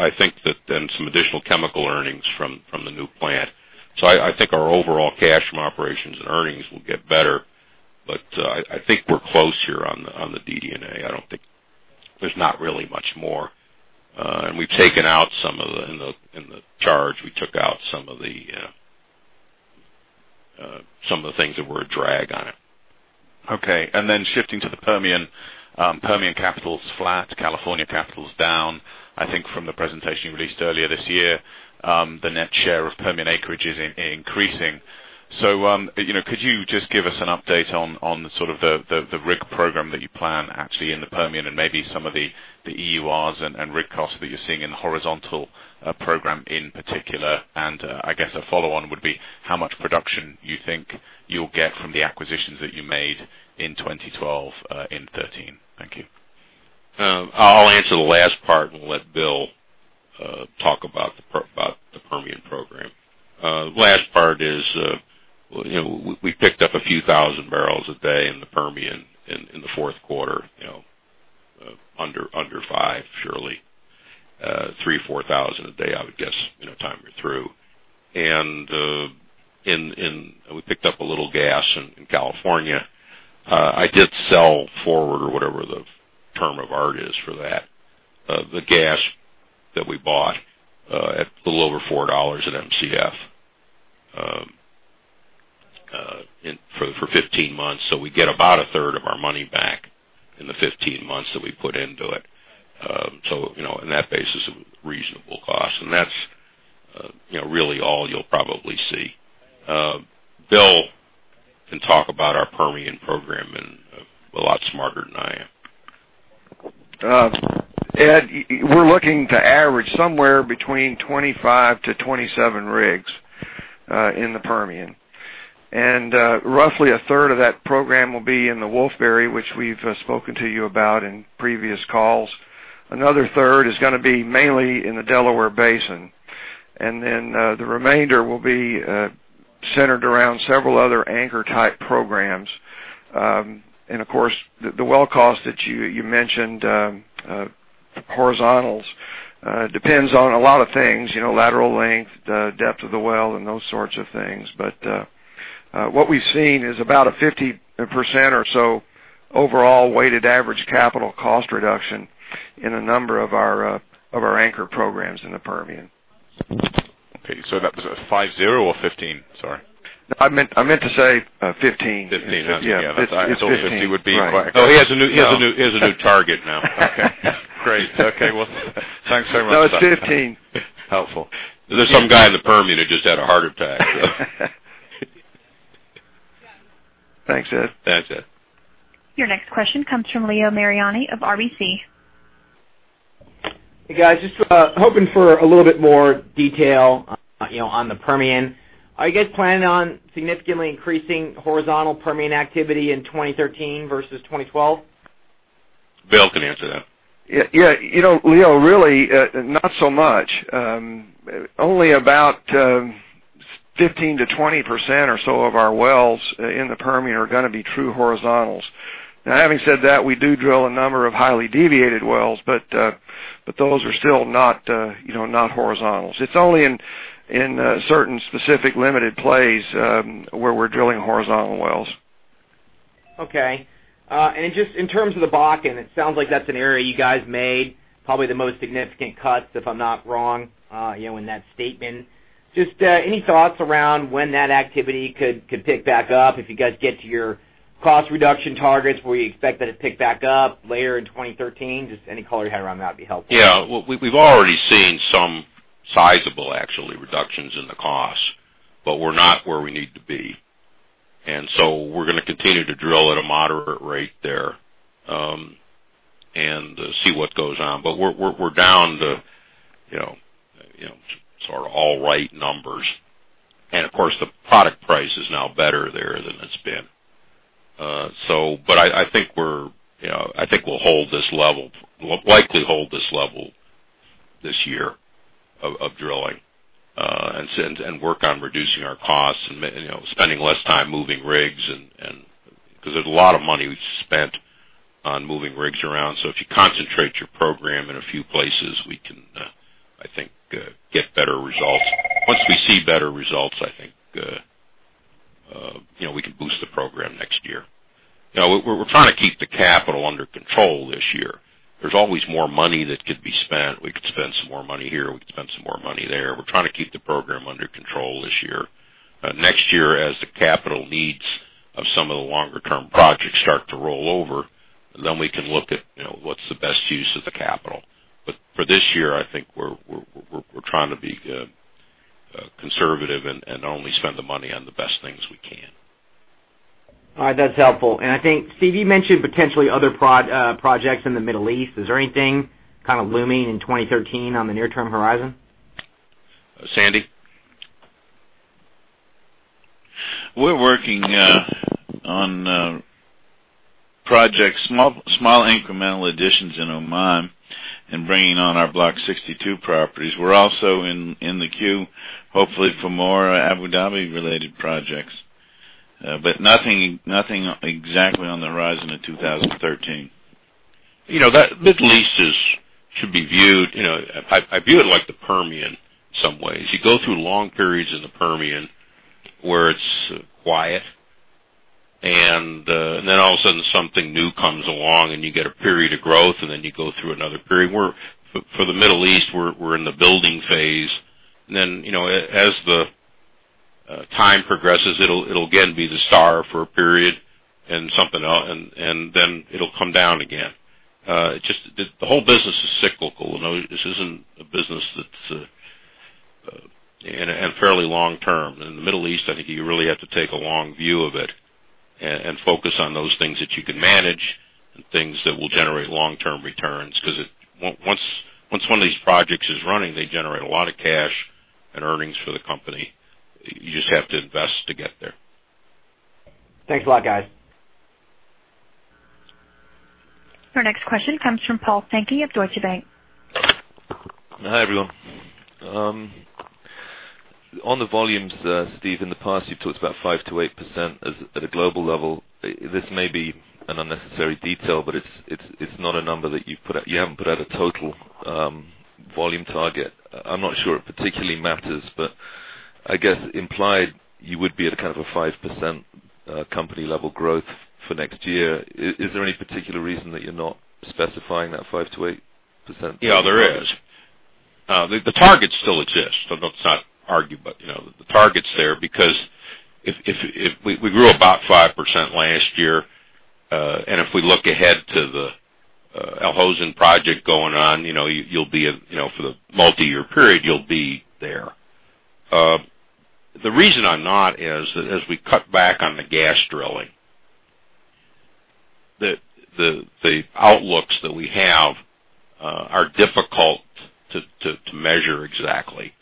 I think that then some additional chemical earnings from the new plant. I think our overall cash from operations and earnings will get better, but I think we're close here on the DD&A. There's not really much more. In the charge, we took out some of the things that were a drag on it. Okay. Then shifting to the Permian. Permian capital's flat, California capital's down. I think from the presentation you released earlier this year, the net share of Permian acreage is increasing. Could you just give us an update on the rig program that you plan actually in the Permian and maybe some of the EURs and rig costs that you're seeing in the horizontal program in particular? I guess a follow-on would be how much production you think you'll get from the acquisitions that you made in 2012 and 2013. Thank you. I'll answer the last part and let Bill talk about the Permian program. Last part is we picked up a few thousand barrels a day in the Permian in the fourth quarter, under five, surely. 3,000 or 4,000 a day, I would guess, time we're through. We picked up a little gas in California. I did sell forward, or whatever the term of art is for that, the gas that we bought at a little over $4 an Mcf for 15 months. We get about a third of our money back in the 15 months that we put into it. On that basis, a reasonable cost. That's really all you'll probably see. Bill can talk about our Permian program and a lot smarter than I am. Ed, we're looking to average somewhere between 25 to 27 rigs in the Permian. Roughly a third of that program will be in the Wolfberry, which we've spoken to you about in previous calls. Another third is going to be mainly in the Delaware Basin. The remainder will be centered around several other anchor-type programs. Of course, the well cost that you mentioned, horizontals, depends on a lot of things, lateral length, the depth of the well and those sorts of things. What we've seen is about a 50% or so overall weighted average capital cost reduction in a number of our anchor programs in the Permian. Okay. That was a 50 or 15? Sorry. I meant to say 15. 15. Yeah. It's 15. I thought 50 would be quite. He has a new target now. Okay, great. Well, thanks very much. No, it's 15. Helpful. There's some guy in the Permian that just had a heart attack. Thanks, Ed. Thanks, Ed. Your next question comes from Leo Mariani of RBC. Hey, guys. Just hoping for a little bit more detail on the Permian. Are you guys planning on significantly increasing horizontal Permian activity in 2013 versus 2012? Bill can answer that. Yeah. Leo, really, not so much. Only about 15%-20% or so of our wells in the Permian are going to be true horizontals. Now having said that, we do drill a number of highly deviated wells, but those are still not horizontals. It's only in certain specific limited plays, where we're drilling horizontal wells. Okay. Just in terms of the Bakken, it sounds like that's an area you guys made probably the most significant cuts, if I'm not wrong, in that statement. Just any thoughts around when that activity could pick back up if you guys get to your cost reduction targets, where you expect that to pick back up later in 2013? Just any color you had around that would be helpful. Well, we've already seen some sizable, actually, reductions in the cost, but we're not where we need to be. We're going to continue to drill at a moderate rate there, and see what goes on. We're down to sort of all right numbers. Of course, the product price is now better there than it's been. I think we'll hold this level, likely hold this level this year of drilling, and work on reducing our costs and spending less time moving rigs because there's a lot of money we've spent on moving rigs around. If you concentrate your program in a few places, we can, I think, get better results. Once we see better results, I think we can boost the program next year. We're trying to keep the capital under control this year. There's always more money that could be spent. We could spend some more money here, we could spend some more money there. We're trying to keep the program under control this year. Next year, as the capital needs of some of the longer term projects start to roll over, we can look at what's the best use of the capital. For this year, I think we're trying to be conservative and only spend the money on the best things we can. All right. That's helpful. I think Steve, you mentioned potentially other projects in the Middle East. Is there anything kind of looming in 2013 on the near term horizon? Sandy? We're working on projects, small incremental additions in Oman and bringing on our Block 62 properties. We're also in the queue, hopefully for more Abu Dhabi related projects. Nothing exactly on the horizon in 2013. The Middle East should be viewed, I view it like the Permian some ways. You go through long periods in the Permian where it's quiet, and then all of a sudden something new comes along and you get a period of growth, and then you go through another period. For the Middle East, we're in the building phase. As the time progresses, it'll again be the star for a period and something, and then it'll come down again. The whole business is cyclical. This isn't a business that's-- and fairly long term. In the Middle East, I think you really have to take a long view of it and focus on those things that you can manage and things that will generate long term returns. Once one of these projects is running, they generate a lot of cash and earnings for the company. You just have to invest to get there. Thanks a lot, guys. Our next question comes from Paul Sankey of Deutsche Bank. Hi, everyone. On the volumes, Steve, in the past, you've talked about 5%-8% at a global level. This may be an unnecessary detail, but it's not a number that you've put out. You haven't put out a total volume target. I'm not sure it particularly matters, but I guess implied you would be at a kind of a 5% company level growth for next year. Is there any particular reason that you're not specifying that 5%-8%? Yeah, there is. The target still exists. That's not argued. The target's there because we grew about 5% last year. If we look ahead to the Al Hosn project going on, for the multi-year period, you'll be there. The reason I'm not is, as we cut back on the gas drilling, the outlooks that we have are difficult to measure exactly,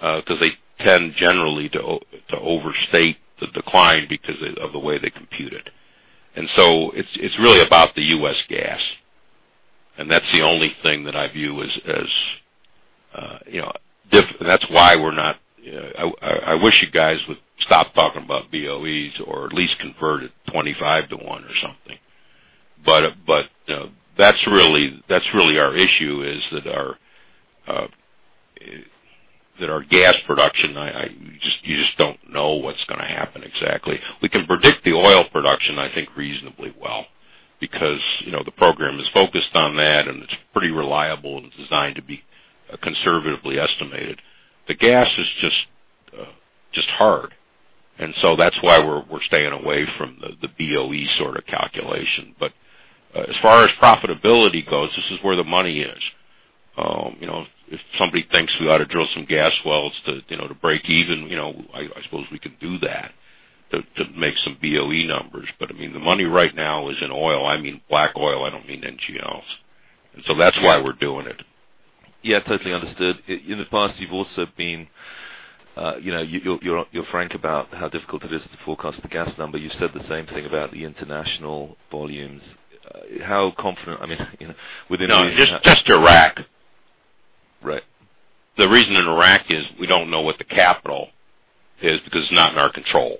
because they tend generally to overstate the decline because of the way they compute it. It's really about the U.S. gas, and that's the only thing that I view as-- that's why we're not I wish you guys would stop talking about BOEs or at least convert it 25 to one or something. That's really our issue, is that our gas production, you just don't know what's going to happen exactly. We can predict the oil production, I think, reasonably well because the program is focused on that, and it's pretty reliable, and it's designed to be conservatively estimated. The gas is just hard. That's why we're staying away from the BOE sort of calculation. As far as profitability goes, this is where the money is. If somebody thinks we ought to drill some gas wells to break even, I suppose we can do that to make some BOE numbers. The money right now is in oil. I mean, black oil, I don't mean NGLs. That's why we're doing it. Yeah, totally understood. In the past, you've also been frank about how difficult it is to forecast the gas number. You said the same thing about the international volumes. How confident, I mean. No, just Iraq. Right. The reason in Iraq is we don't know what the capital is because it's not in our control.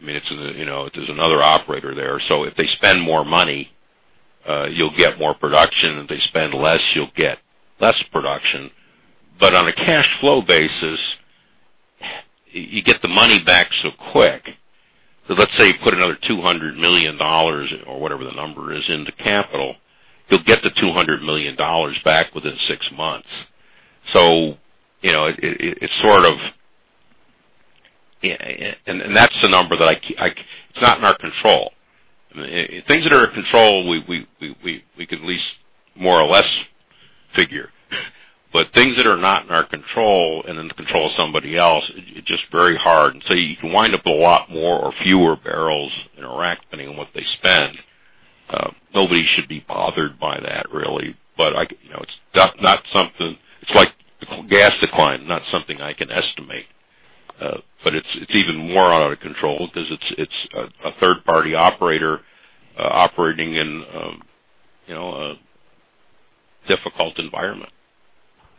There's another operator there, so if they spend more money, you'll get more production. If they spend less, you'll get less production. On a cash flow basis, you get the money back so quick. Let's say you put another $200 million, or whatever the number is, into capital, you'll get the $200 million back within six months. That's the number that it's not in our control. Things that are in control, we can at least more or less figure, but things that are not in our control and in the control of somebody else, it's just very hard. You can wind up a lot more or fewer barrels in Iraq, depending on what they spend. Nobody should be bothered by that, really. It's like gas decline, not something I can estimate. It's even more out of control because it's a third-party operator operating in a difficult environment.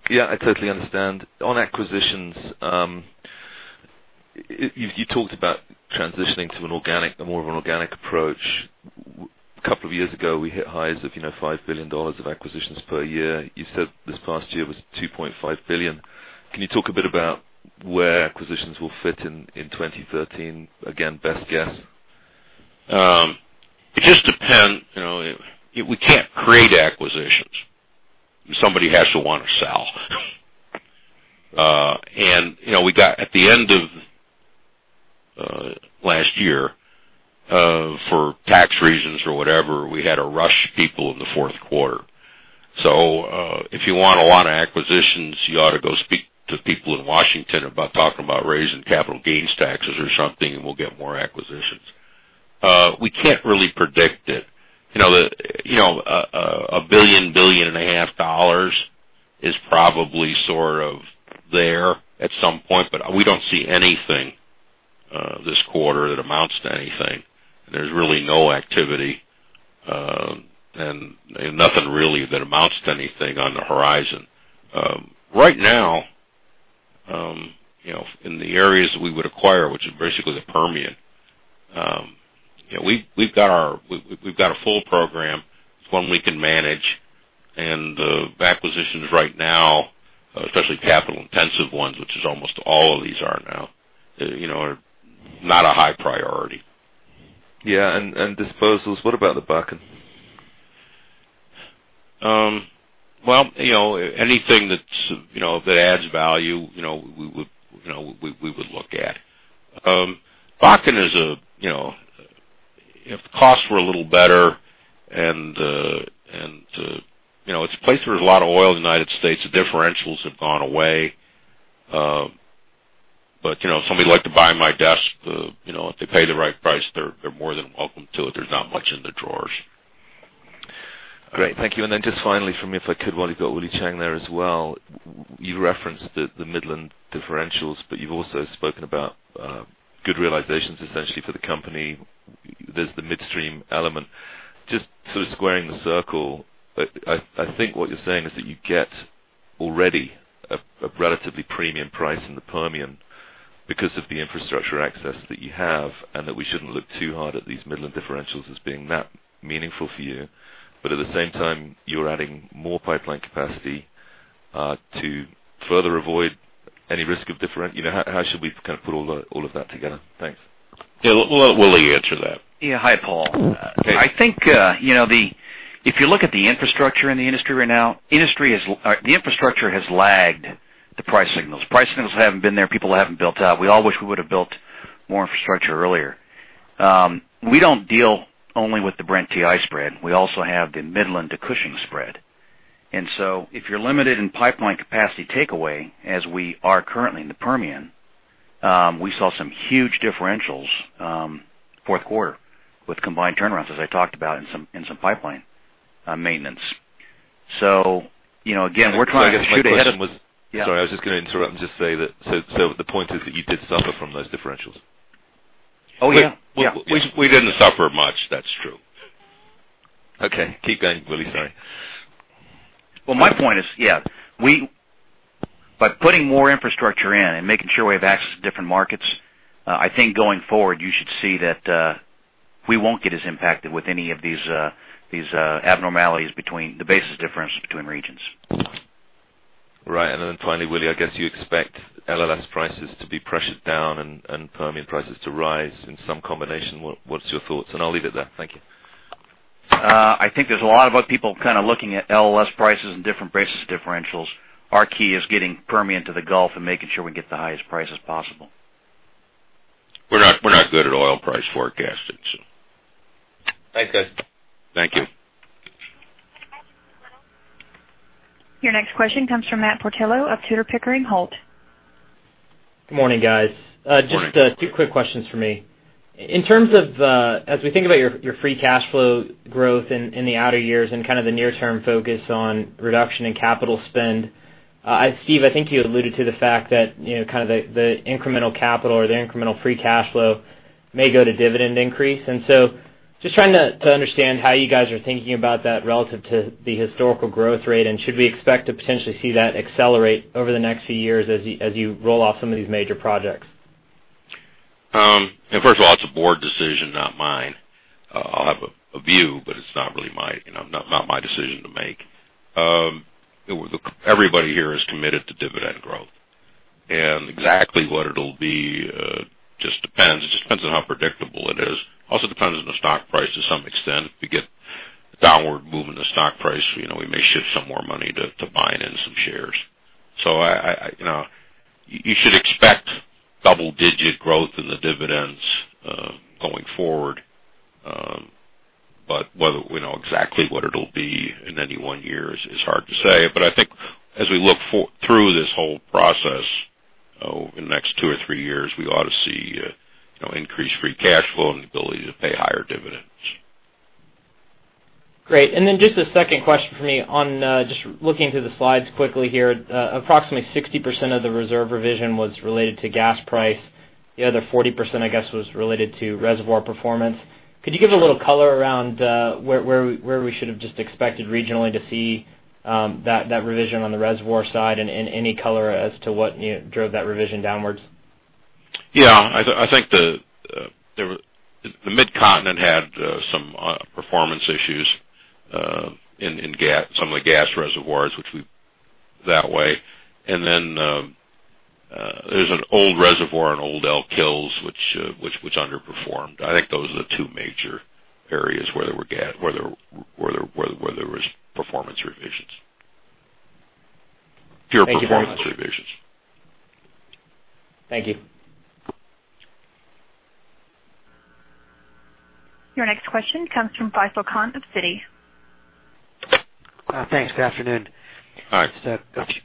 Yeah, I totally understand. On acquisitions, you talked about transitioning to more of an organic approach. A couple of years ago, we hit highs of $5 billion of acquisitions per year. You said this past year was $2.5 billion. Can you talk a bit about where acquisitions will fit in 2013? Again, best guess. It just depends. We can't create acquisitions. Somebody has to want to sell. At the end of last year, for tax reasons or whatever, we had to rush people in the fourth quarter. If you want a lot of acquisitions, you ought to go speak to people in Washington about talking about raising capital gains taxes or something, and we'll get more acquisitions. We can't really predict it. $1 billion-$1.5 billion is probably sort of there at some point, but we don't see anything this quarter that amounts to anything. There's really no activity, and nothing really that amounts to anything on the horizon. Right now, in the areas we would acquire, which is basically the Permian, we've got a full program. It's one we can manage, and the acquisitions right now, especially capital-intensive ones, which is almost all of these are now, are not a high priority. Yeah, disposals. What about the Bakken? Well, anything that adds value, we would look at. If the costs were a little better, and it's a place where there's a lot of oil in the U.S., the differentials have gone away. If somebody would like to buy my desk, if they pay the right price, they're more than welcome to it. There's not much in the drawers. Great. Thank you. Just finally from me, if I could, while you've got Willie Chiang there as well, you referenced the Midland differentials, you've also spoken about good realizations essentially for the company. There's the midstream element. Just sort of squaring the circle, I think what you're saying is that you get already a relatively premium price in the Permian because of the infrastructure access that you have, and that we shouldn't look too hard at these Midland differentials as being that meaningful for you. At the same time, you're adding more pipeline capacity to further avoid any risk. How should we kind of put all of that together? Thanks. Yeah. We'll let Willie answer that. Yeah. Hi, Paul. Hey. I think, if you look at the infrastructure in the industry right now, the infrastructure has lagged the price signals. Price signals haven't been there. People haven't built out. We all wish we would've built more infrastructure earlier. We don't deal only with the Brent-WTI spread. We also have the Midland to Cushing spread. If you're limited in pipeline capacity takeaway, as we are currently in the Permian, we saw some huge differentials fourth quarter with combined turnarounds, as I talked about, and some pipeline maintenance. Sorry, I was just going to interrupt and just say that, so the point is that you did suffer from those differentials? Oh, yeah. We didn't suffer much, that's true. Okay. Keep going, Willie. Sorry. Well, my point is, yeah, by putting more infrastructure in and making sure we have access to different markets, I think going forward, you should see that we won't get as impacted with any of these abnormalities between the basis differentials between regions. Right. Finally, Willie, I guess you expect LLS prices to be pressured down and Permian prices to rise in some combination. What's your thoughts? I'll leave it there. Thank you. I think there's a lot of other people kind of looking at LLS prices and different basis differentials. Our key is getting Permian to the Gulf and making sure we get the highest prices possible. We're not good at oil price forecasting. Thanks, guys. Thank you. Your next question comes from Matt Portillo of Tudor, Pickering, Holt. Good morning, guys. Morning. Just two quick questions from me. As we think about your free cash flow growth in the outer years and kind of the near-term focus on reduction in capital spend Steve, I think you alluded to the fact that the incremental capital or the incremental free cash flow may go to dividend increase. Just trying to understand how you guys are thinking about that relative to the historical growth rate, should we expect to potentially see that accelerate over the next few years as you roll off some of these major projects? First of all, it's a board decision, not mine. I'll have a view, but it's not my decision to make. Everybody here is committed to dividend growth. Exactly what it'll be, just depends. It just depends on how predictable it is. Also depends on the stock price to some extent. If we get downward movement in the stock price, we may shift some more money to buying in some shares. You should expect double-digit growth in the dividends, going forward. Whether we know exactly what it'll be in any one year is hard to say. I think as we look through this whole process over the next two or three years, we ought to see increased free cash flow and ability to pay higher dividends. Great. Just a second question for me on, just looking through the slides quickly here. Approximately 60% of the reserve revision was related to gas price. The other 40%, I guess, was related to reservoir performance. Could you give a little color around where we should have just expected regionally to see that revision on the reservoir side, and any color as to what drove that revision downwards? Yeah, I think the Mid-Continent had some performance issues in some of the gas reservoirs. There's an old reservoir in Old Elk Hills which underperformed. I think those are the two major areas where there was performance revisions. Thank you very much. Pure performance revisions. Thank you. Your next question comes from Faisel Khan of Citi. Thanks. Good afternoon. Hi.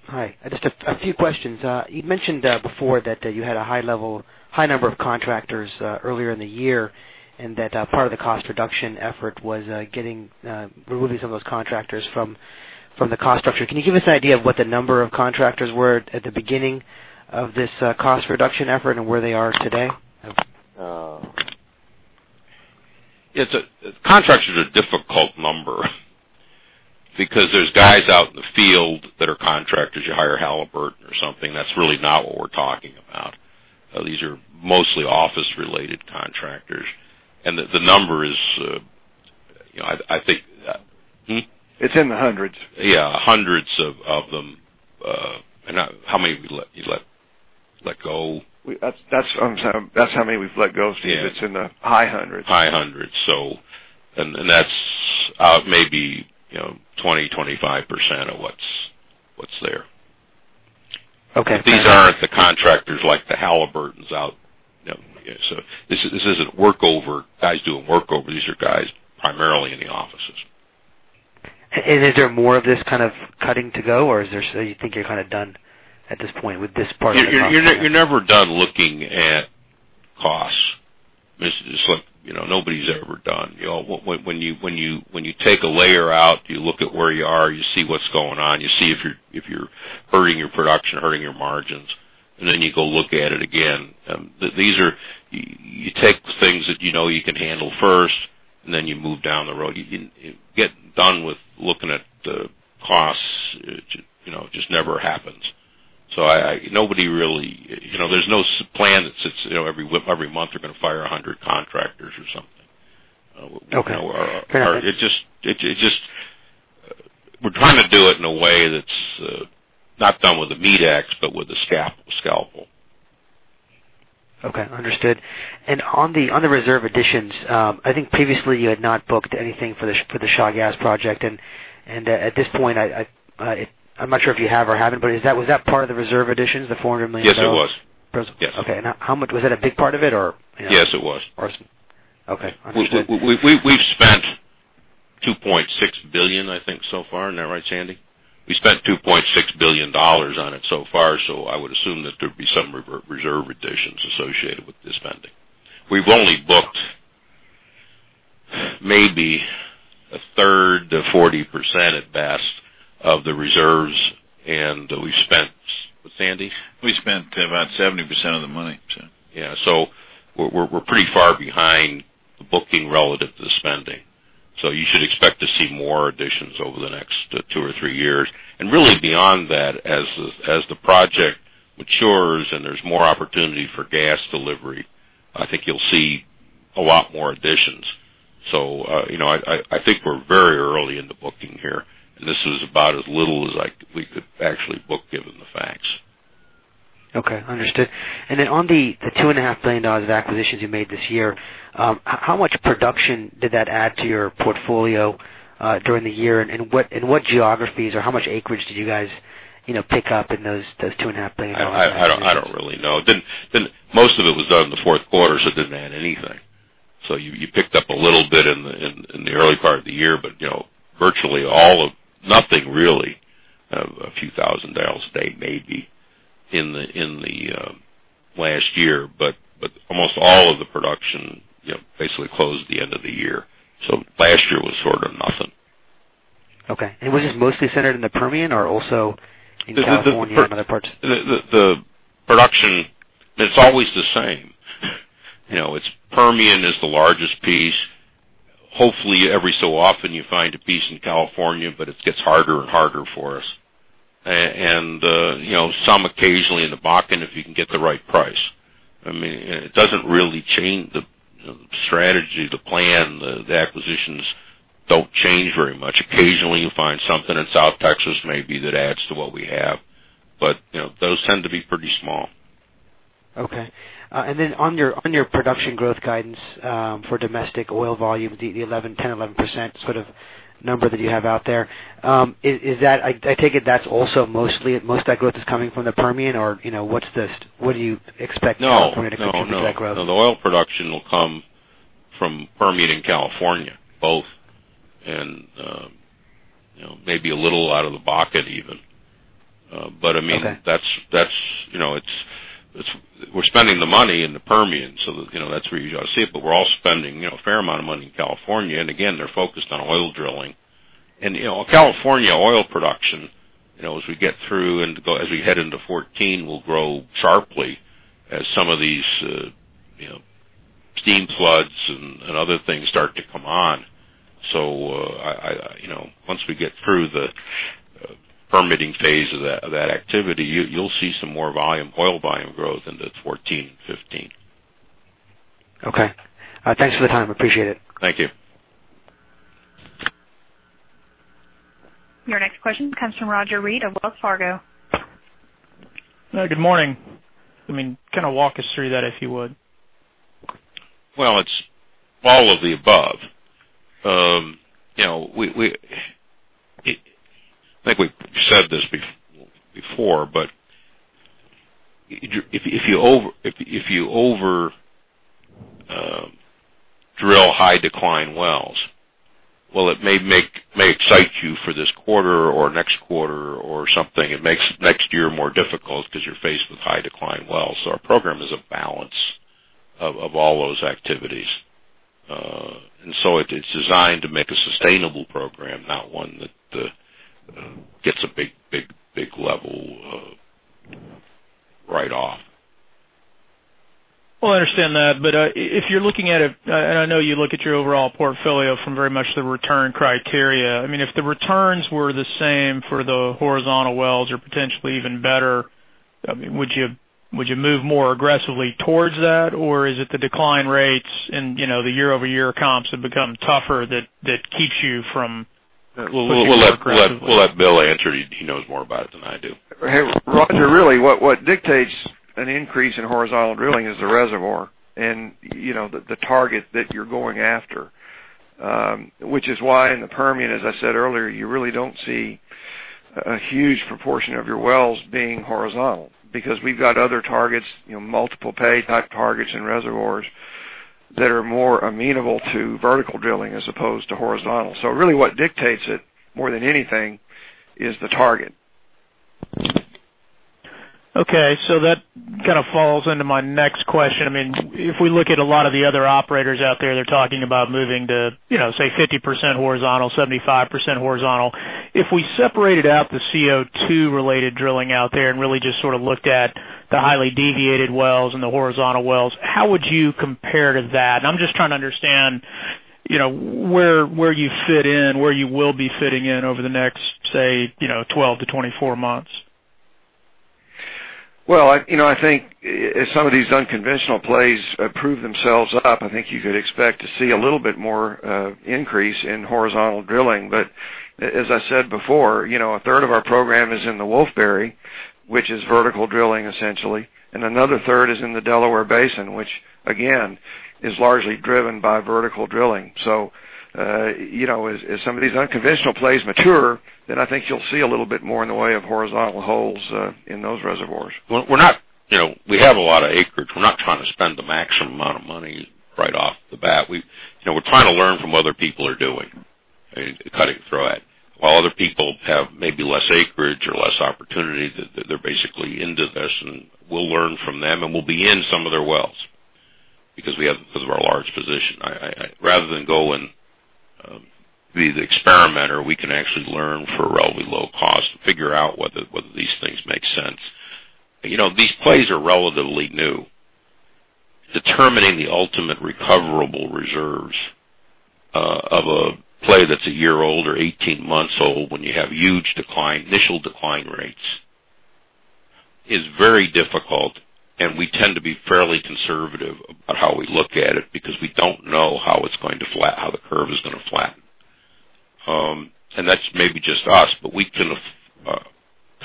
Hi. Just a few questions. You'd mentioned before that you had a high number of contractors earlier in the year, and that part of the cost reduction effort was removing some of those contractors from the cost structure. Can you give us an idea of what the number of contractors were at the beginning of this cost reduction effort, and where they are today? Contractors are a difficult number because there's guys out in the field that are contractors. You hire Halliburton or something. That's really not what we're talking about. These are mostly office-related contractors. The number is, I think Hmm? It's in the hundreds. Yeah, hundreds of them. How many have you let go? That's how many we've let go, Steve. Yeah. It's in the high hundreds. High hundreds. That's maybe 20%, 25% of what's there. Okay. These aren't the contractors like the Halliburtons out. This isn't guys doing work over. These are guys primarily in the offices. Is there more of this kind of cutting to go, or you think you're done at this point with this part of the process? You're never done looking at costs. Nobody's ever done. When you take a layer out, you look at where you are, you see what's going on. You see if you're hurting your production, hurting your margins. Then you go look at it again. You take the things that you know you can handle first, then you move down the road. Getting done with looking at the costs, it just never happens. There's no plan that sits every month we're going to fire 100 contractors or something. Okay. Fair enough. We're trying to do it in a way that's not done with a meat ax, but with a scalpel. Okay. Understood. On the reserve additions, I think previously you had not booked anything for the Shah Gas project. At this point, I'm not sure if you have or haven't, but was that part of the reserve additions, the $400 million? Yes, it was. Okay. Was that a big part of it, or? Yes, it was. Okay. Understood. We've spent $2.6 billion, I think, so far. Isn't that right, Sandy? We spent $2.6 billion on it so far, so I would assume that there'd be some reserve additions associated with this spending. We've only booked maybe a third to 40% at best of the reserves, and we've spent What, Sandy? We spent about 70% of the money. Yeah. We're pretty far behind the booking relative to the spending. You should expect to see more additions over the next two or three years. Really beyond that, as the project matures and there's more opportunity for gas delivery, I think you'll see a lot more additions. I think we're very early in the booking here, and this is about as little as we could actually book given the facts. Okay, understood. Then on the $2.5 billion of acquisitions you made this year, what production did that add to your portfolio during the year, and what geographies, or how much acreage did you guys pick up in those $2.5 billion of acquisitions? I don't really know. Most of it was done in the fourth quarter, so it didn't add anything. You picked up a little bit in the early part of the year, but virtually nothing really. A few thousand barrels a day, maybe, in the last year, but almost all of the production basically closed the end of the year. Last year was sort of nothing. Okay. Was this mostly centered in the Permian or also in California and other parts? The production, it's always the same. Permian is the largest piece. Hopefully, every so often you find a piece in California, but it gets harder and harder for us. Some occasionally in the Bakken, if you can get the right price. It doesn't really change the strategy, the plan, the acquisitions don't change very much. Occasionally, you'll find something in South Texas maybe that adds to what we have, but those tend to be pretty small. Okay. On your production growth guidance for domestic oil volume, the 10%-11% sort of number that you have out there, I take it that's also mostly, most of that growth is coming from the Permian or what do you expect- No California to contribute to that growth? No. The oil production will come from Permian and California, both, and maybe a little out of the Bakken even. Okay. We're spending the money in the Permian, that's where you ought to see it. We're all spending a fair amount of money in California, and again, they're focused on oil drilling. California oil production, as we get through and as we head into 2014, will grow sharply as some of these steam floods and other things start to come on. Once we get through the permitting phase of that activity, you'll see some more volume, oil volume growth into 2014 and 2015. Okay. Thanks for the time. Appreciate it. Thank you. Your next question comes from Roger Read of Wells Fargo. Good morning. Kind of walk us through that, if you would. Well, it's all of the above. I think we've said this before, but if you over-drill high decline wells, while it may excite you for this quarter or next quarter or something, it makes next year more difficult because you're faced with high decline wells. Our program is a balance of all those activities. It's designed to make a sustainable program, not one that gets a big level write-off. Well, I understand that. If you're looking at it, and I know you look at your overall portfolio from very much the return criteria, if the returns were the same for the horizontal wells or potentially even better, would you move more aggressively towards that? Is it the decline rates and the year-over-year comps have become tougher that keeps you from looking more aggressively? We'll let Bill answer. He knows more about it than I do. Hey, Roger, really what dictates an increase in horizontal drilling is the reservoir and the target that you're going after. Which is why in the Permian, as I said earlier, you really don't see a huge proportion of your wells being horizontal because we've got other targets, multiple pay type targets and reservoirs that are more amenable to vertical drilling as opposed to horizontal. Really what dictates it more than anything is the target. Okay. That kind of falls into my next question. If we look at a lot of the other operators out there, they're talking about moving to, say 50% horizontal, 75% horizontal. If we separated out the CO2-related drilling out there and really just sort of looked at the highly deviated wells and the horizontal wells, how would you compare to that? I'm just trying to understand where you fit in, where you will be fitting in over the next, say, 12 to 24 months. Well, I think as some of these unconventional plays prove themselves up, I think you could expect to see a little bit more increase in horizontal drilling. As I said before, a third of our program is in the Wolfberry, which is vertical drilling essentially, and another third is in the Delaware Basin, which again, is largely driven by vertical drilling. As some of these unconventional plays mature, I think you'll see a little bit more in the way of horizontal holes in those reservoirs. We have a lot of acreage. We're not trying to spend the maximum amount of money right off the bat. We're trying to learn from what other people are doing and cut through it. While other people have maybe less acreage or less opportunity, they're basically into this, and we'll learn from them, and we'll be in some of their wells because of our large position. Rather than go and be the experimenter, we can actually learn for a relatively low cost to figure out whether these things make sense. These plays are relatively new. Determining the ultimate recoverable reserves of a play that's a year old or 18 months old when you have huge decline, initial decline rates, is very difficult. We tend to be fairly conservative about how we look at it because we don't know how the curve is going to flatten. That's maybe just us, but we can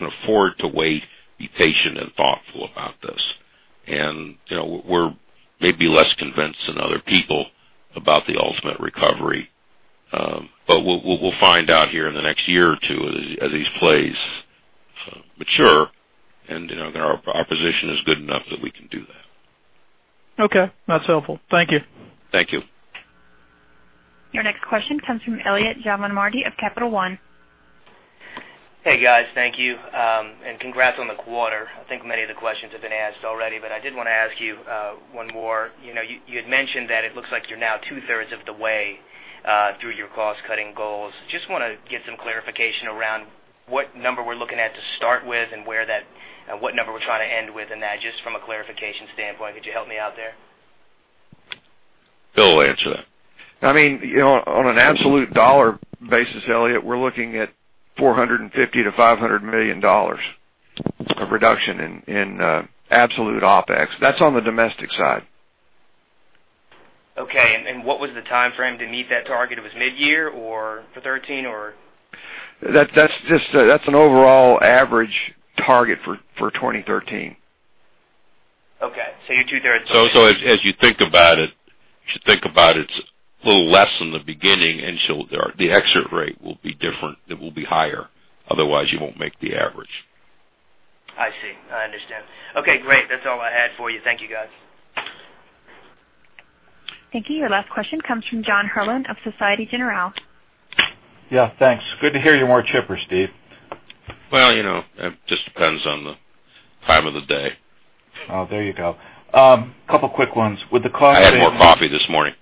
afford to wait, be patient and thoughtful about this. We're maybe less convinced than other people about the ultimate recovery. We'll find out here in the next year or two as these plays mature, and our position is good enough that we can do that. Okay. That's helpful. Thank you. Thank you. Your next question comes from Eliot Javanmardi of Capital One. Thank you. Congrats on the quarter. I think many of the questions have been asked already. I did want to ask you one more. You had mentioned that it looks like you're now two-thirds of the way through your cost-cutting goals. Want to get some clarification around what number we're looking at to start with and what number we're trying to end with in that, just from a clarification standpoint. Could you help me out there? Bill will answer that. On an absolute dollar basis, Eliot, we're looking at $450-$500 million of reduction in absolute OpEx. That's on the domestic side. Okay. What was the timeframe to meet that target? It was mid-year for 2013, or? That's an overall average target for 2013. Okay, you're two-thirds of the way. As you think about it, you should think about it's a little less in the beginning. The exit rate will be different. It will be higher. Otherwise, you won't make the average. I see. I understand. Okay, great. That's all I had for you. Thank you, guys. Thank you. Your last question comes from John Herrlin of Societe Generale. Yeah, thanks. Good to hear you're more chipper, Steve. Well, it just depends on the time of the day. Oh, there you go. Couple quick ones. With the cost savings. I had more coffee this morning.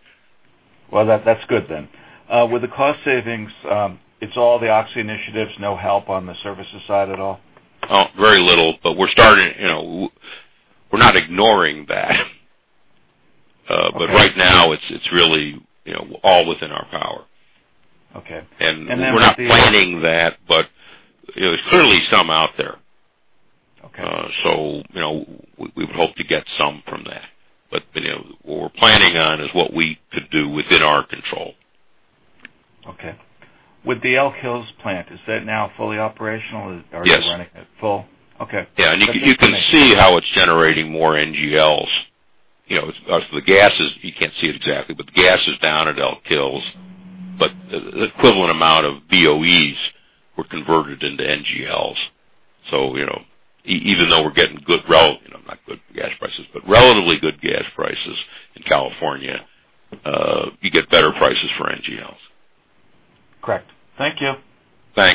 Well, that's good then. With the cost savings, it's all the Oxy initiatives, no help on the services side at all? Very little. We're not ignoring that. Okay. Right now it's really all within our power. Okay. We're not planning that, but there's clearly some out there. Okay. We would hope to get some from that. What we're planning on is what we could do within our control. Okay. With the Elk Hills plant, is that now fully operational? Yes. Are you running it full? Okay. Yeah, you can see how it's generating more NGLs. You can't see it exactly, the gas is down at Elk Hills, the equivalent amount of BOEs were converted into NGLs. Even though we're getting not good gas prices, but relatively good gas prices in California, you get better prices for NGLs. Correct. Thank you. Thanks.